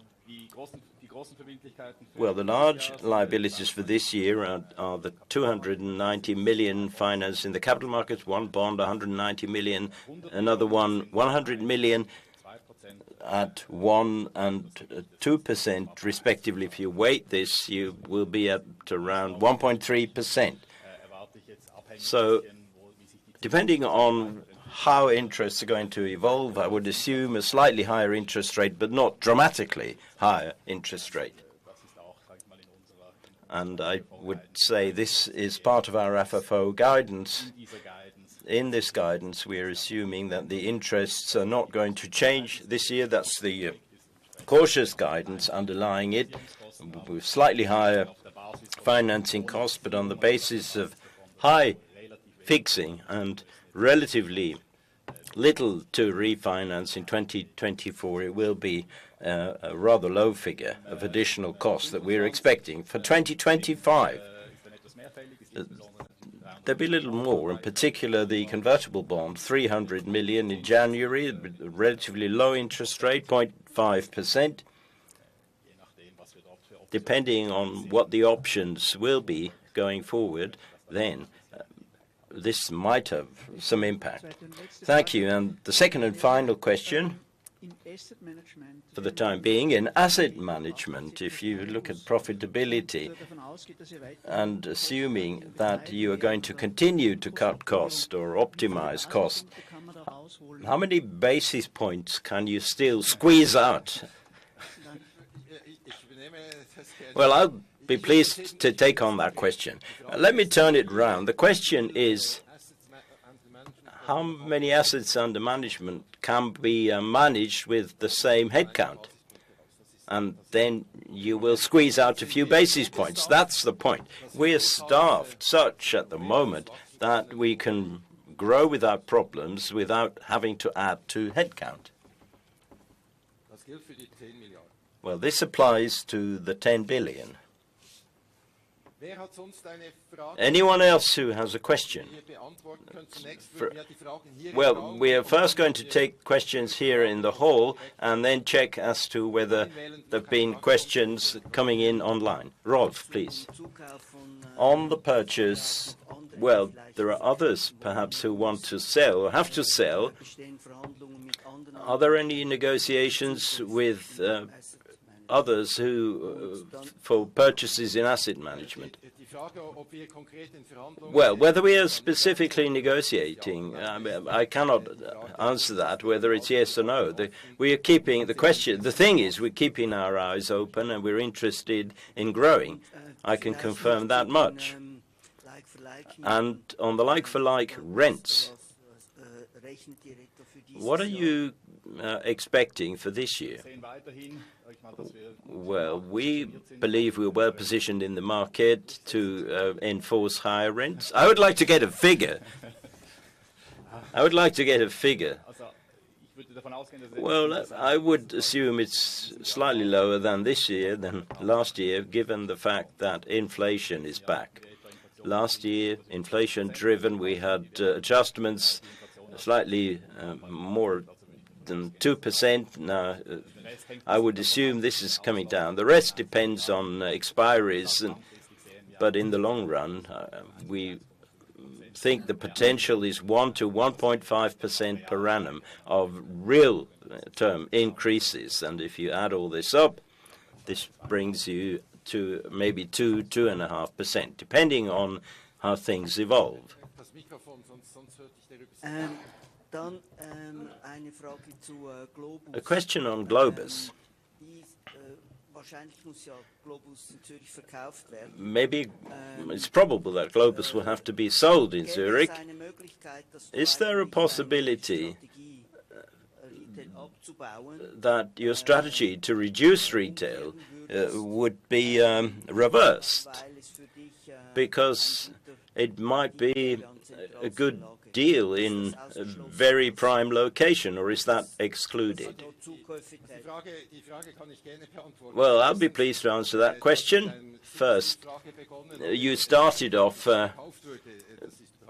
Well, the large liabilities for this year are the 290 million finance in the capital markets, one bond, 190 million, another one, 100 million, at 1% and 2%, respectively. If you weight this, you will be at around 1.3%. So depending on how interests are going to evolve, I would assume a slightly higher interest rate, but not dramatically higher interest rate. And I would say this is part of our FFO guidance. In this guidance, we are assuming that the interests are not going to change this year. That's the cautious guidance underlying it, with slightly higher financing costs, but on the basis of high fixing and relatively little to refinance in 2024, it will be a rather low figure of additional costs that we are expecting. For 2025, there'll be little more, in particular, the convertible bond, 300 million in January, with relatively low interest rate, 0.5%. Depending on what the options will be going forward, then this might have some impact. Thank you. And the second and final question, for the time being, in asset management, if you look at profitability, and assuming that you are going to continue to cut cost or optimize cost, how many basis points can you still squeeze out? Well, I'd be pleased to take on that question. Let me turn it around. The question is, how many assets under management can be managed with the same headcount? And then you will squeeze out a few basis points. That's the point. We are staffed such at the moment that we can grow without problems, without having to add to headcount. Well, this applies to the 10 billion. Anyone else who has a question? Well, we are first going to take questions here in the hall, and then check as to whether there have been questions coming in online. Rolf, please. On the purchase, well, there are others, perhaps, who want to sell or have to sell. Are there any negotiations with others who for purchases in asset management? Well, whether we are specifically negotiating, I cannot answer that, whether it's yes or no. The thing is, we're keeping our eyes open, and we're interested in growing. I can confirm that much... And on the like-for-like rents, what are you expecting for this year? Well, we believe we're well positioned in the market to enforce higher rents. I would like to get a figure. I would like to get a figure. Well, I would assume it's slightly lower than this year, than last year, given the fact that inflation is back. Last year, inflation-driven, we had adjustments slightly more than 2%. Now, I would assume this is coming down. The rest depends on expiries and, but in the long run, we think the potential is 1%-1.5% per annum of real term increases. And if you add all this up, this brings you to maybe 2%-2.5%, depending on how things evolve. Then, a question on Globus. Maybe it's probable that Globus will have to be sold in Zürich. Is there a possibility that your strategy to reduce retail would be reversed? Because it might be a good deal in a very prime location, or is that excluded? Well, I'll be pleased to answer that question. First, you started off,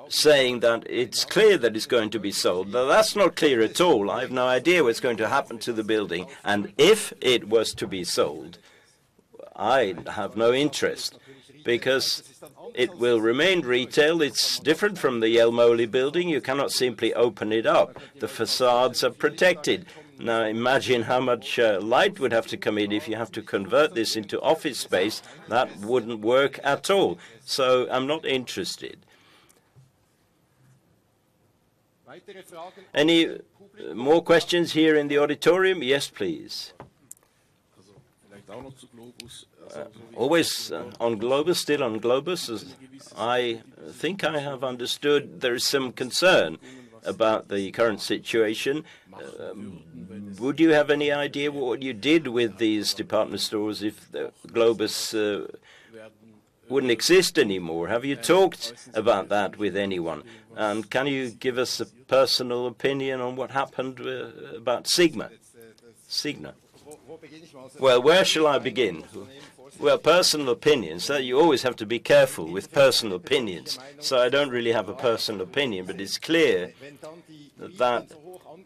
saying that it's clear that it's going to be sold. But that's not clear at all. I have no idea what's going to happen to the building, and if it was to be sold, I have no interest, because it will remain retail. It's different from the Jelmoli building. You cannot simply open it up. The facades are protected. Now, imagine how much light would have to come in if you have to convert this into office space. That wouldn't work at all. So I'm not interested. Any more questions here in the auditorium? Yes, please. Also, down to Globus. Always on Globus, still on Globus. I think I have understood there is some concern about the current situation. Would you have any idea what you did with these department stores if the Globus wouldn't exist anymore? Have you talked about that with anyone? And can you give us a personal opinion on what happened with, about Signa? Signa. Well, where shall I begin? Well, personal opinions, so you always have to be careful with personal opinions. So I don't really have a personal opinion, but it's clear that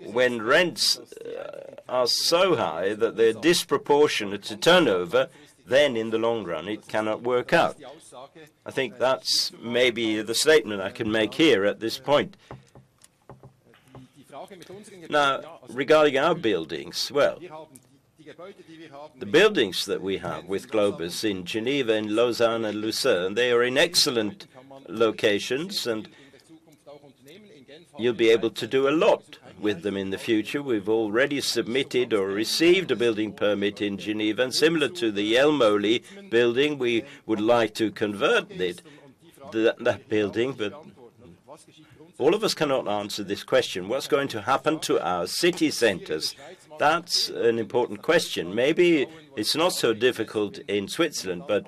when rents are so high that they're disproportionate to turnover, then in the long run, it cannot work out. I think that's maybe the statement I can make here at this point. Now, regarding our buildings, well, the buildings that we have with Globus in Geneva, and Lausanne, and Lucerne, they are in excellent locations, and you'll be able to do a lot with them in the future. We've already submitted or received a building permit in Geneva, and similar to the Jelmoli building, we would like to convert it, that building. But all of us cannot answer this question, what's going to happen to our city centers? That's an important question. Maybe it's not so difficult in Switzerland, but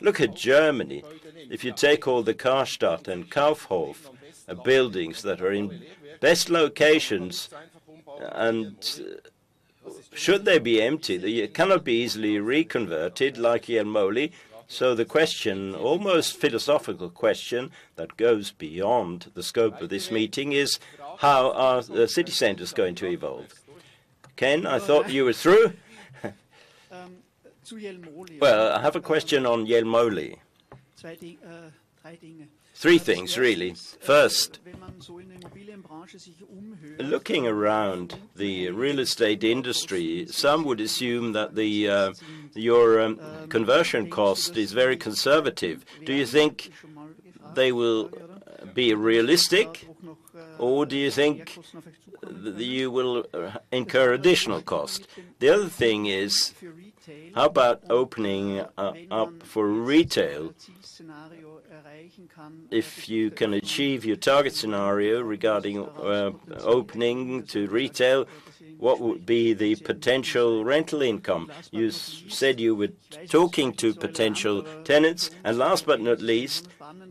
look at Germany. If you take all the Karstadt and Kaufhof buildings that are in best locations, and should they be empty, they cannot be easily reconverted like Jelmoli. So the question, almost philosophical question, that goes beyond the scope of this meeting is: How are the city centers going to evolve? Ken, I thought you were through? Well, I have a question on Jelmoli. Three things, really. First, looking around the real estate industry, some would assume that the, your, conversion cost is very conservative. Do you think they will be realistic, or do you think you will incur additional cost? The other thing is, how about opening up for retail? If you can achieve your target scenario regarding opening to retail, what would be the potential rental income? You said you were talking to potential tenants. And last but not least,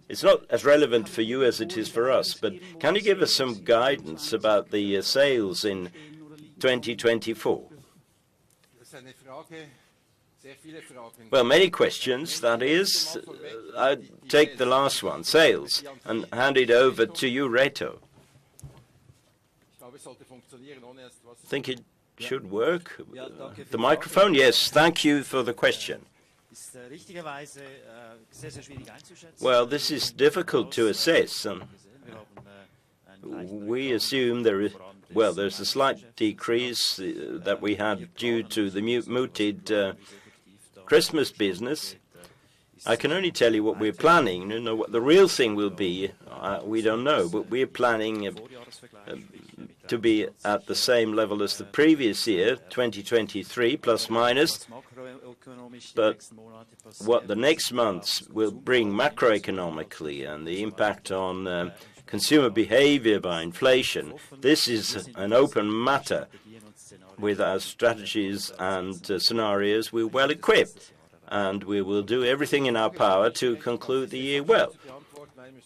it's not as relevant for you as it is for us, but can you give us some guidance about the sales in 2024? Well, many questions, that is. I'd take the last one, sales, and hand it over to you, Reto. I think it should work. The microphone? Yes. Thank you for the question. Well, this is difficult to assess, we assume there is... Well, there's a slight decrease that we have due to the muted Christmas business. I can only tell you what we're planning. To know what the real thing will be, we don't know. But we're planning to be at the same level as the previous year, 2023, plus, minus. But what the next months will bring macroeconomically and the impact on consumer behavior by inflation, this is an open matter. With our strategies and scenarios, we're well equipped, and we will do everything in our power to conclude the year well.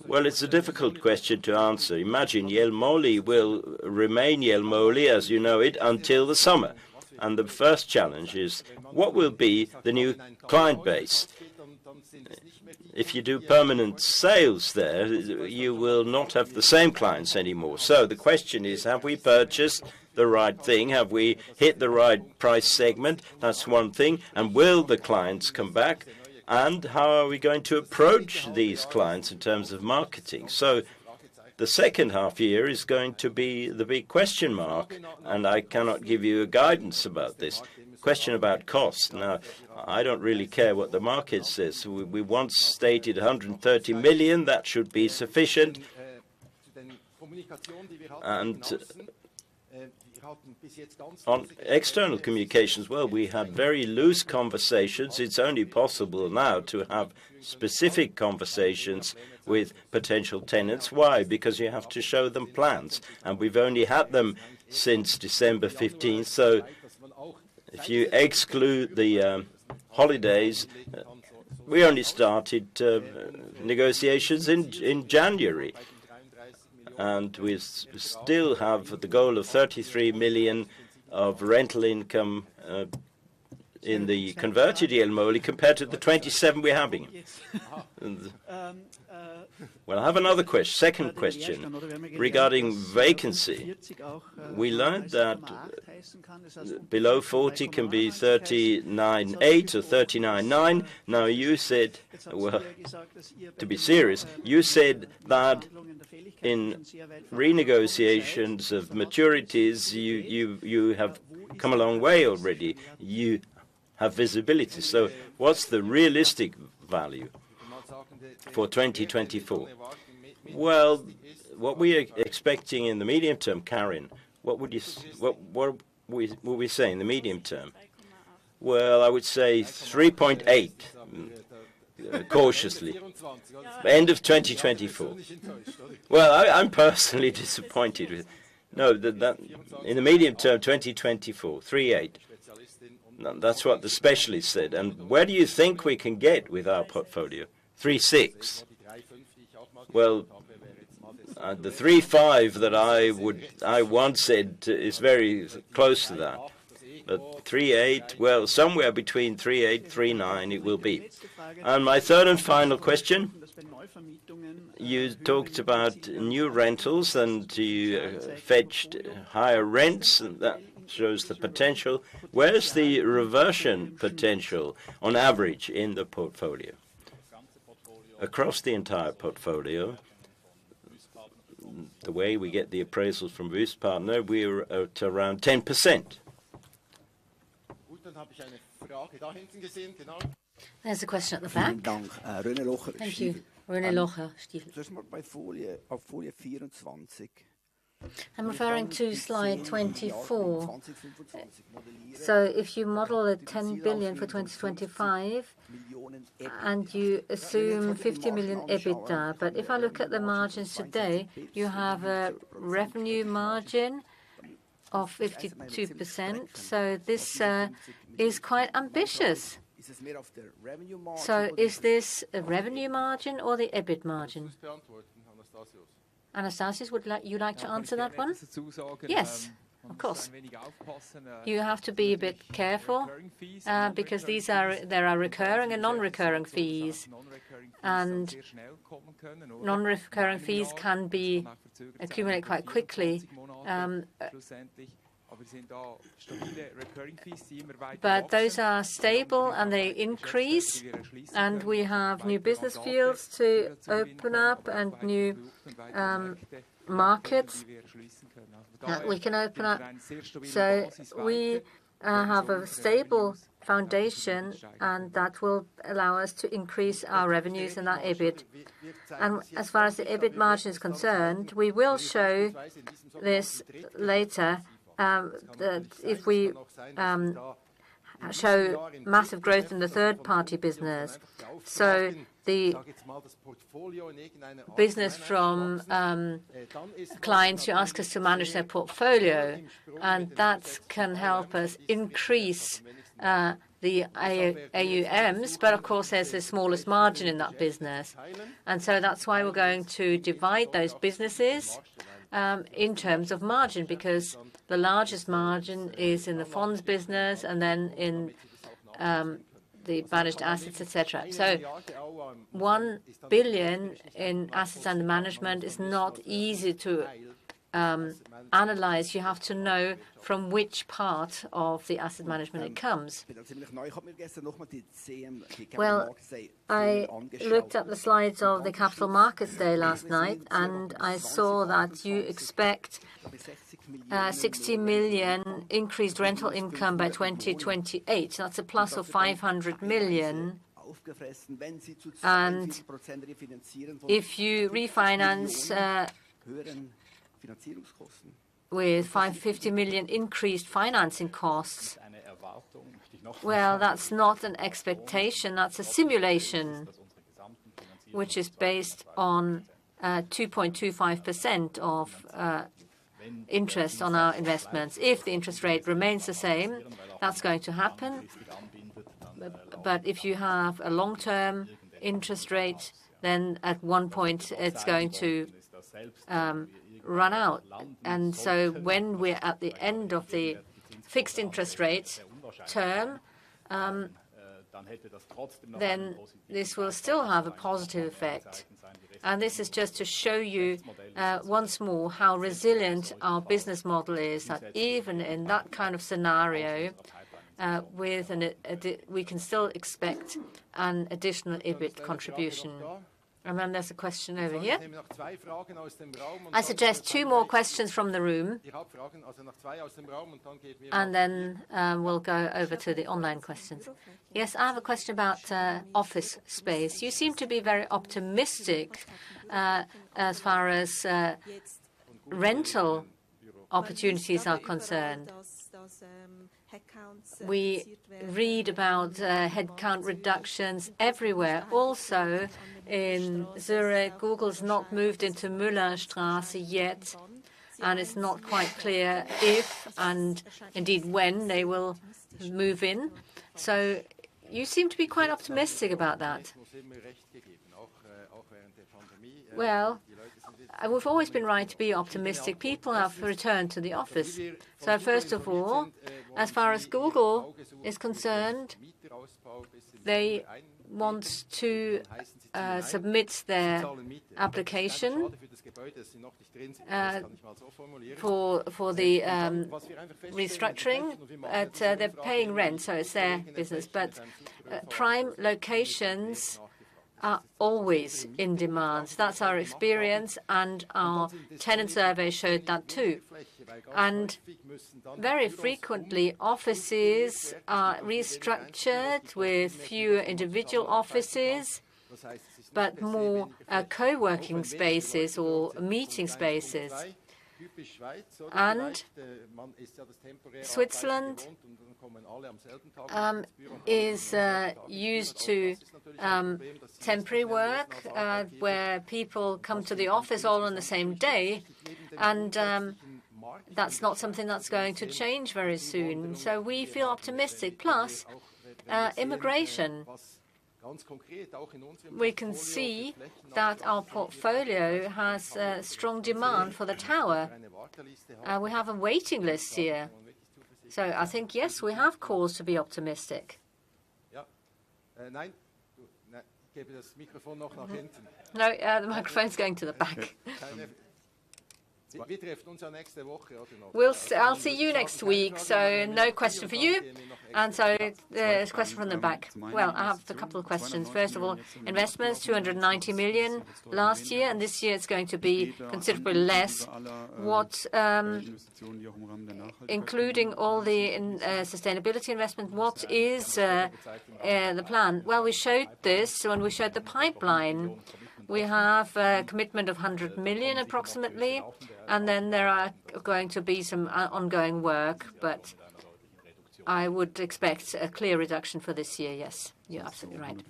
Well, it's a difficult question to answer. Imagine Jelmoli will remain Jelmoli, as you know it, until the summer, and the first challenge is: What will be the new client base? If you do permanent sales there, you will not have the same clients anymore. So the question is: Have we purchased the right thing? Have we hit the right price segment? That's one thing. And will the clients come back? How are we going to approach these clients in terms of marketing? So the second half year is going to be the big question mark, and I cannot give you a guidance about this. Question about cost. Now, I don't really care what the market says. We once stated 130 million, that should be sufficient. And on external communications, well, we had very loose conversations. It's only possible now to have specific conversations with potential tenants. Why? Because you have to show them plans, and we've only had them since December 15. So if you exclude the holidays, we only started negotiations in January. And we still have the goal of 33 million of rental income in the converted Jelmoli compared to the 27 million we're having. Wow! Well, I have another second question regarding vacancy. We learned that below 40 can be 39.8 or 39.9. Now, you said... Well, to be serious, you said that in renegotiations of maturities, you have come a long way already. You have visibility. So what's the realistic value for 2024? Well, what we are expecting in the medium term, Karin, what would you say—what we say in the medium term? Well, I would say 3.8, cautiously. End of 2024. Well, I'm personally disappointed with... No, that - in the medium term, 2024, 3.8. That's what the specialist said. And where do you think we can get with our portfolio? 3.6. Well, the 3.5 that I would - I once said is very close to that. But 3.8, well, somewhere between 3.8-3.9, it will be. And my third and final question, you talked about new rentals and you fetched higher rents, and that shows the potential. Where is the reversion potential on average in the portfolio? Across the entire portfolio, the way we get the appraisals from Wüest Partner, we're at around 10%. There's a question at the back. Thank you. René Locher, [Stieglitz]. I'm referring to slide 24. So if you model the 10 billion for 2025, and you assume 50 million EBITDA, but if I look at the margins today, you have a revenue margin of 52%, so this, is quite ambitious. So is this a revenue margin or the EBIT margin? Anastasius, would you like to answer that one? Yes, of course. You have to be a bit careful because these are, there are recurring and non-recurring fees, and non-recurring fees can be accumulated quite quickly. But those are stable and they increase, and we have new business fields to open up and new markets that we can open up. So we have a stable foundation, and that will allow us to increase our revenues and our EBIT. And as far as the EBIT margin is concerned, we will show this later that if we show massive growth in the third-party business, so the business from clients who ask us to manage their portfolio, and that can help us increase the AUMs. But of course, there's the smallest margin in that business. That's why we're going to divide those businesses in terms of margin, because the largest margin is in the funds business and then in the managed assets, et cetera. So 1 billion in assets under management is not easy to analyze. You have to know from which part of the asset management it comes. Well, I looked up the slides of the capital markets day last night, and I saw that you expect 60 million increased rental income by 2028. That's a plus of 500 million, and if you refinance with 550 million increased financing costs, well, that's not an expectation, that's a simulation which is based on 2.25% of interest on our investments. If the interest rate remains the same, that's going to happen. But if you have a long-term interest rate, then at one point it's going to run out. And so when we're at the end of the fixed interest rate term, then this will still have a positive effect. And this is just to show you once more how resilient our business model is, that even in that kind of scenario with an ad... We can still expect an additional EBIT contribution. And then there's a question over here. I suggest two more questions from the room. And then we'll go over to the online questions. Yes, I have a question about office space. You seem to be very optimistic as far as rental opportunities are concerned. We read about headcount reductions everywhere, also in Zürich. Google's not moved into Müllerstrasse yet, and it's not quite clear if, and indeed when they will move in. So you seem to be quite optimistic about that. Well, we've always been right to be optimistic. People have returned to the office. So first of all, as far as Google is concerned, they want to submit their application for the restructuring. But they're paying rent, so it's their business. But prime locations are always in demand. That's our experience, and our tenant survey showed that too. And very frequently, offices are restructured with fewer individual offices, but more co-working spaces or meeting spaces. And Switzerland is used to temporary work where people come to the office all on the same day, and that's not something that's going to change very soon. So we feel optimistic. Plus immigration. We can see that our portfolio has strong demand for the tower. We have a waiting list here. So I think, yes, we have cause to be optimistic. Yeah. Nine. No, the microphone's going to the back. We'll see you next week, so no question for you. So there's a question from the back. Well, I have a couple of questions. First of all, investments, 290 million last year, and this year it's going to be considerably less. What, including all the in, sustainability investment, what is the plan? Well, we showed this when we showed the pipeline. We have a commitment of 100 million approximately, and then there are going to be some ongoing work, but I would expect a clear reduction for this year. Yes, you're absolutely right.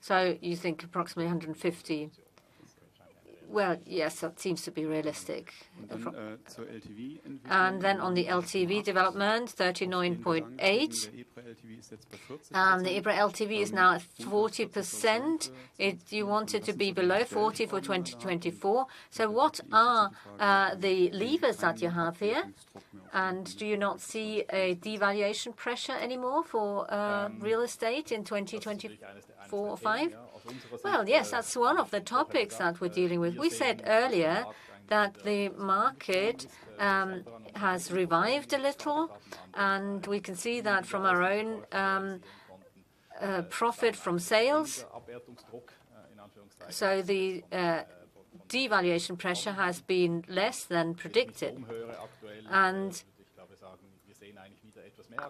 So you think approximately 150? Well, yes, that seems to be realistic. So LTV. And then on the LTV development, 39.8. The EPRA LTV is now at 40%. You want it to be below 40 for 2024. So what are the levers that you have here? And do you not see a devaluation pressure anymore for real estate in 2024 or 2025? Well, yes, that's one of the topics that we're dealing with. We said earlier that the market has revived a little, and we can see that from our own profit from sales. So the devaluation pressure has been less than predicted.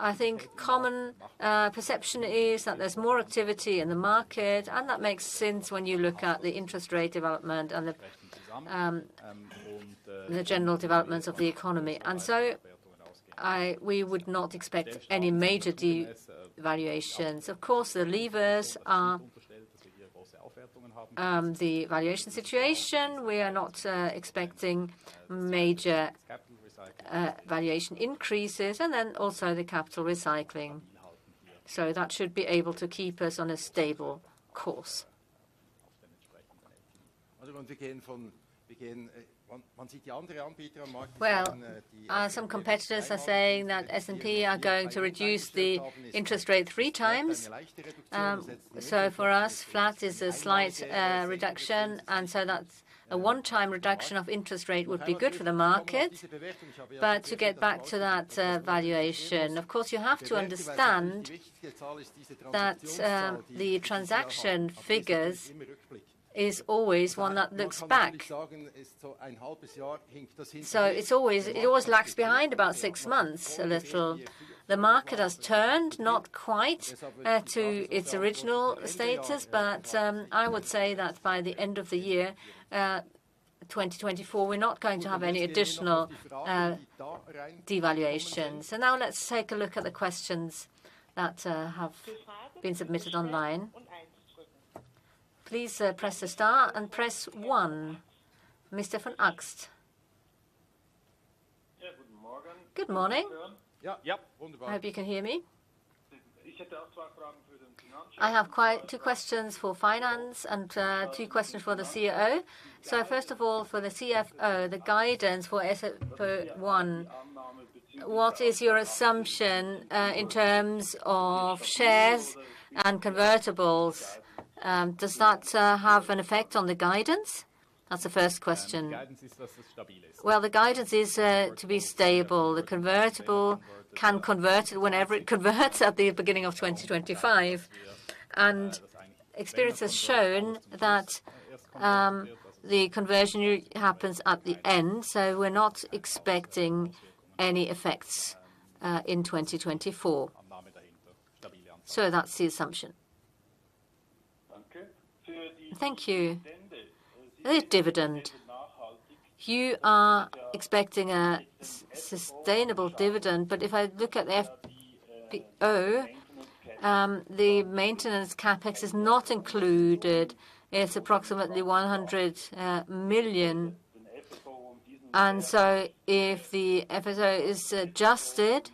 I think common perception is that there's more activity in the market, and that makes sense when you look at the interest rate development and the general developments of the economy. So we would not expect any major devaluations. Of course, the levers are the valuation situation. We are not expecting major valuation increases, and then also the capital recycling. So that should be able to keep us on a stable course. Well, some competitors are saying that S&P are going to reduce the interest rate 3x. So for us, flat is a slight reduction, and so that's a one-time reduction of interest rate would be good for the market. But to get back to that valuation, of course, you have to understand that the transaction figures is always one that looks back. So it's always... It always lags behind about six months, a little. The market has turned, not quite, to its original status, but, I would say that by the end of the year, 2024, we're not going to have any additional devaluations. And now let's take a look at the questions that have been submitted online. Please, press the star and press one. Mr. von Arx. Yeah. Good morning. Good morning. Yeah, yep. I hope you can hear me. I have quite two questions for finance and, two questions for the CEO. So first of all, for the CFO, the guidance for FFO I, what is your assumption, in terms of shares and convertibles? Does that, have an effect on the guidance? That's the first question. Well, the guidance is, to be stable. The convertible can convert whenever it converts at the beginning of 2025. Experience has shown that, the conversion usually happens at the end, so we're not expecting any effects, in 2024. So that's the assumption. Thank you. The dividend. You are expecting a sustainable dividend, but if I look at the FFO, the maintenance CapEx is not included. It's approximately 100 million. And so if the FFO is adjusted,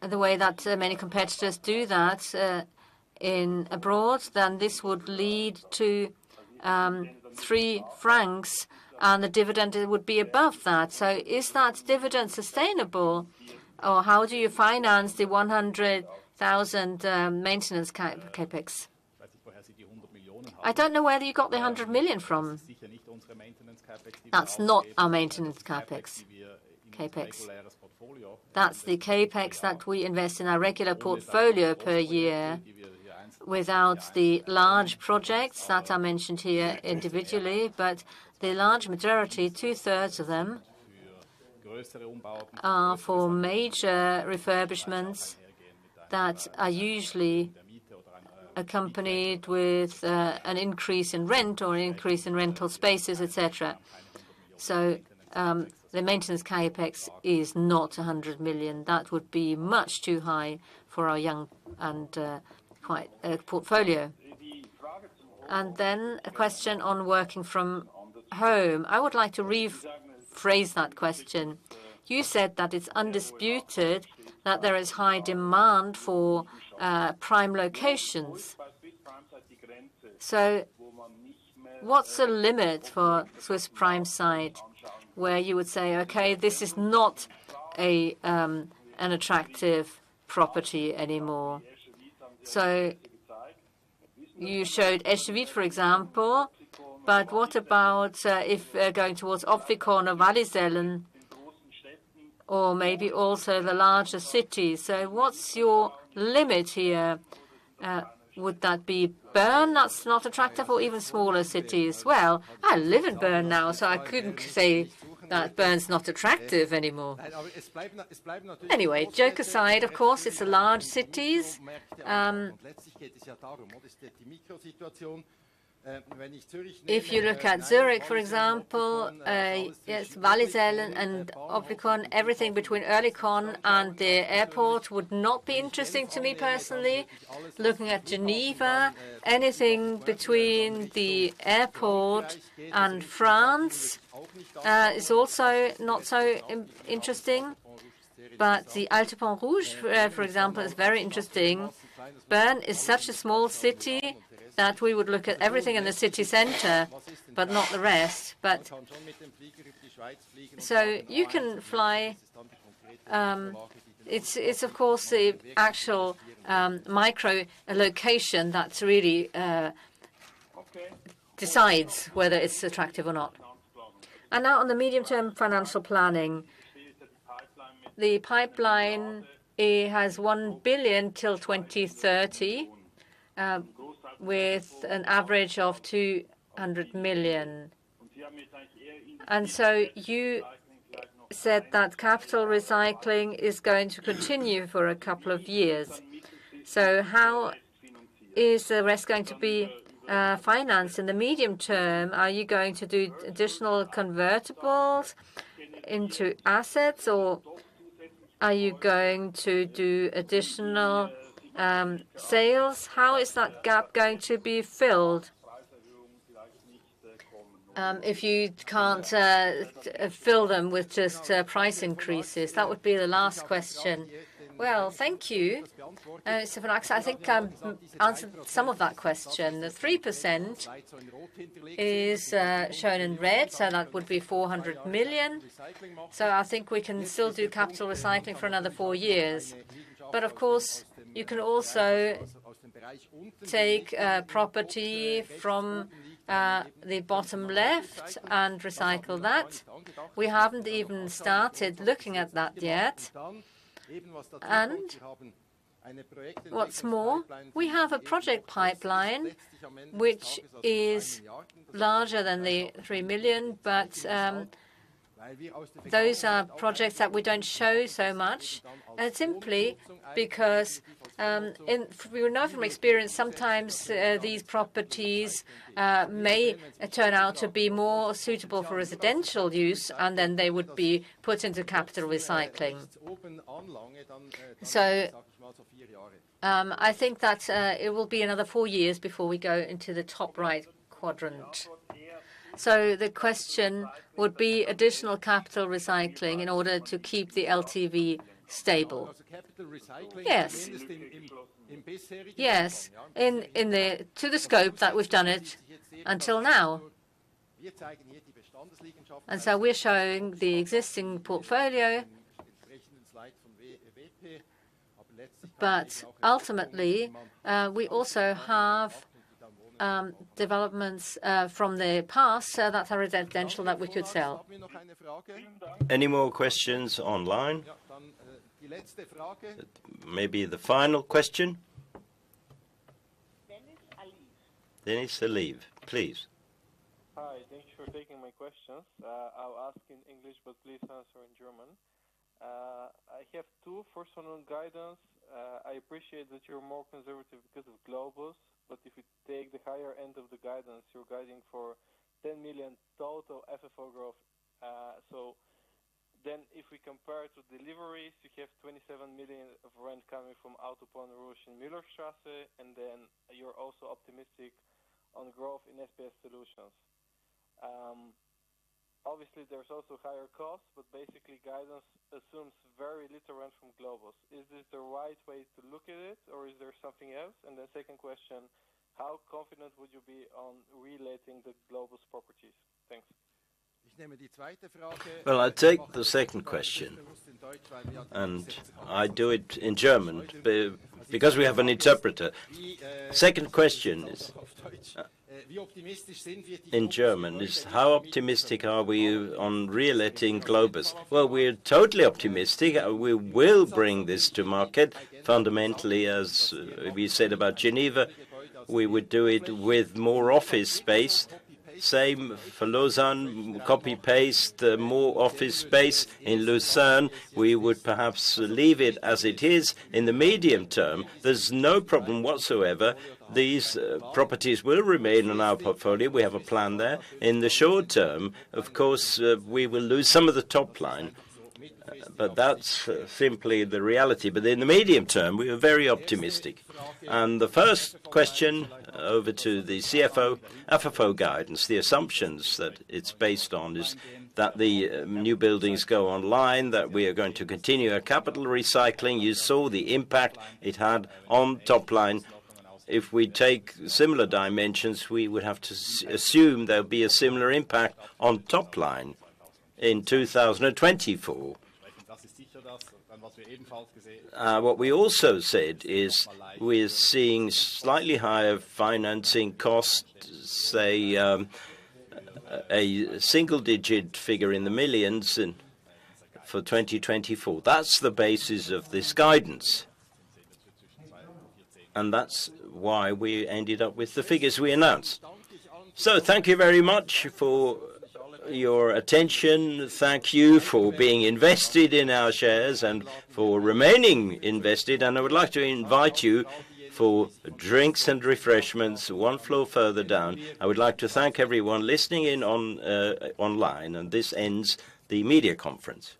the way that, many competitors do that, in abroad, then this would lead to, 3 francs, and the dividend would be above that. So is that dividend sustainable, or how do you finance the 100,000, maintenance CapEx? I don't know where you got the 100 million from. That's not our maintenance CapEx, CapEx. That's the CapEx that we invest in our regular portfolio per year without the large projects that are mentioned here individually. But the large majority, two-thirds of them, are for major refurbishments that are usually accompanied with an increase in rent or an increase in rental spaces, et cetera. So, the maintenance CapEx is not 100 million. That would be much too high for our young and quite portfolio. And then a question on working from home. I would like to rephrase that question. You said that it's undisputed that there is high demand for prime locations. So what's the limit for Swiss Prime Site, where you would say, "Okay, this is not an attractive property anymore?" So you showed Escher Wyss, for example, but what about if going towards of the corner, Wallisellen, or maybe also the larger cities? So what's your limit here? Would that be Bern that's not attractive or even smaller cities? Well, I live in Bern now, so I couldn't say that Bern's not attractive anymore. Anyway, joke aside, of course, it's the large cities. If you look at Zürich, for example, yes, Wallisellen and Oerlikon, everything between Oerlikon and the airport would not be interesting to me personally. Looking at Geneva, anything between the airport and France is also not so interesting, but the Alto Pont Rouge, for example, is very interesting. Bern is such a small city that we would look at everything in the city center, but not the rest. So you can fly. It's of course the actual micro location that really decides whether it's attractive or not. And now on the medium-term financial planning. The pipeline, it has 1 billion till 2030, with an average of 200 million. So you said that capital recycling is going to continue for a couple of years. So how is the rest going to be financed in the medium term? Are you going to do additional convertibles into assets, or are you going to do additional sales? How is that gap going to be filled, if you can't fill them with just price increases? That would be the last question. Well, thank you. So Von Agst, I think I've answered some of that question. The 3% is shown in red, so that would be 400 million. So I think we can still do capital recycling for another four years. But of course, you can also take property from the bottom left and recycle that. We haven't even started looking at that yet. And what's more, we have a project pipeline which is larger than the three million, but those are projects that we don't show so much, simply because we know from experience, sometimes these properties may turn out to be more suitable for residential use, and then they would be put into capital recycling. So, I think that it will be another four years before we go into the top right quadrant. So the question would be additional capital recycling in order to keep the LTV stable? Yes. Yes, in the scope that we've done it until now. And so we're showing the existing portfolio. But ultimately, we also have developments from the past, so that's our residential that we could sell. Any more questions online? Maybe the final question. Deniz Alibay. Deniz Alibay, please. Hi, thank you for taking my questions. I'll ask in English, but please answer in German. I have two. First one on guidance. I appreciate that you're more conservative because of Globus, but if you take the higher end of the guidance, you're guiding for 10 million total FFO growth. So then if we compare to deliveries, you have 27 million of rent coming from the handover of the Müllerstrasse, and then you're also optimistic on growth in SPS Solutions. Obviously, there's also higher costs, but basically, guidance assumes very little rent from Globus. Is this the right way to look at it, or is there something else? And the second question, how confident would you be on reletting the Globus properties? Thanks. Well, I take the second question, and I do it in German because we have an interpreter. Second question is, in German, is: How optimistic are we on reletting Globus? Well, we're totally optimistic. We will bring this to market. Fundamentally, as we said about Geneva, we would do it with more office space. Same for Lausanne, copy-paste, more office space. In Lucerne, we would perhaps leave it as it is. In the medium term, there's no problem whatsoever. These properties will remain in our portfolio. We have a plan there. In the short term, of course, we will lose some of the top line, but that's simply the reality. But in the medium term, we are very optimistic. The first question, over to the CFO, FFO guidance. The assumptions that it's based on is that the new buildings go online, that we are going to continue our capital recycling. You saw the impact it had on top line. If we take similar dimensions, we would have to assume there'll be a similar impact on top line in 2024. What we also said is we're seeing slightly higher financing costs, say, a single-digit figure in the millions CHF for 2024. That's the basis of this guidance, and that's why we ended up with the figures we announced. So thank you very much for your attention. Thank you for being invested in our shares and for remaining invested, and I would like to invite you for drinks and refreshments one floor further down. I would like to thank everyone listening in on online, and this ends the media conference.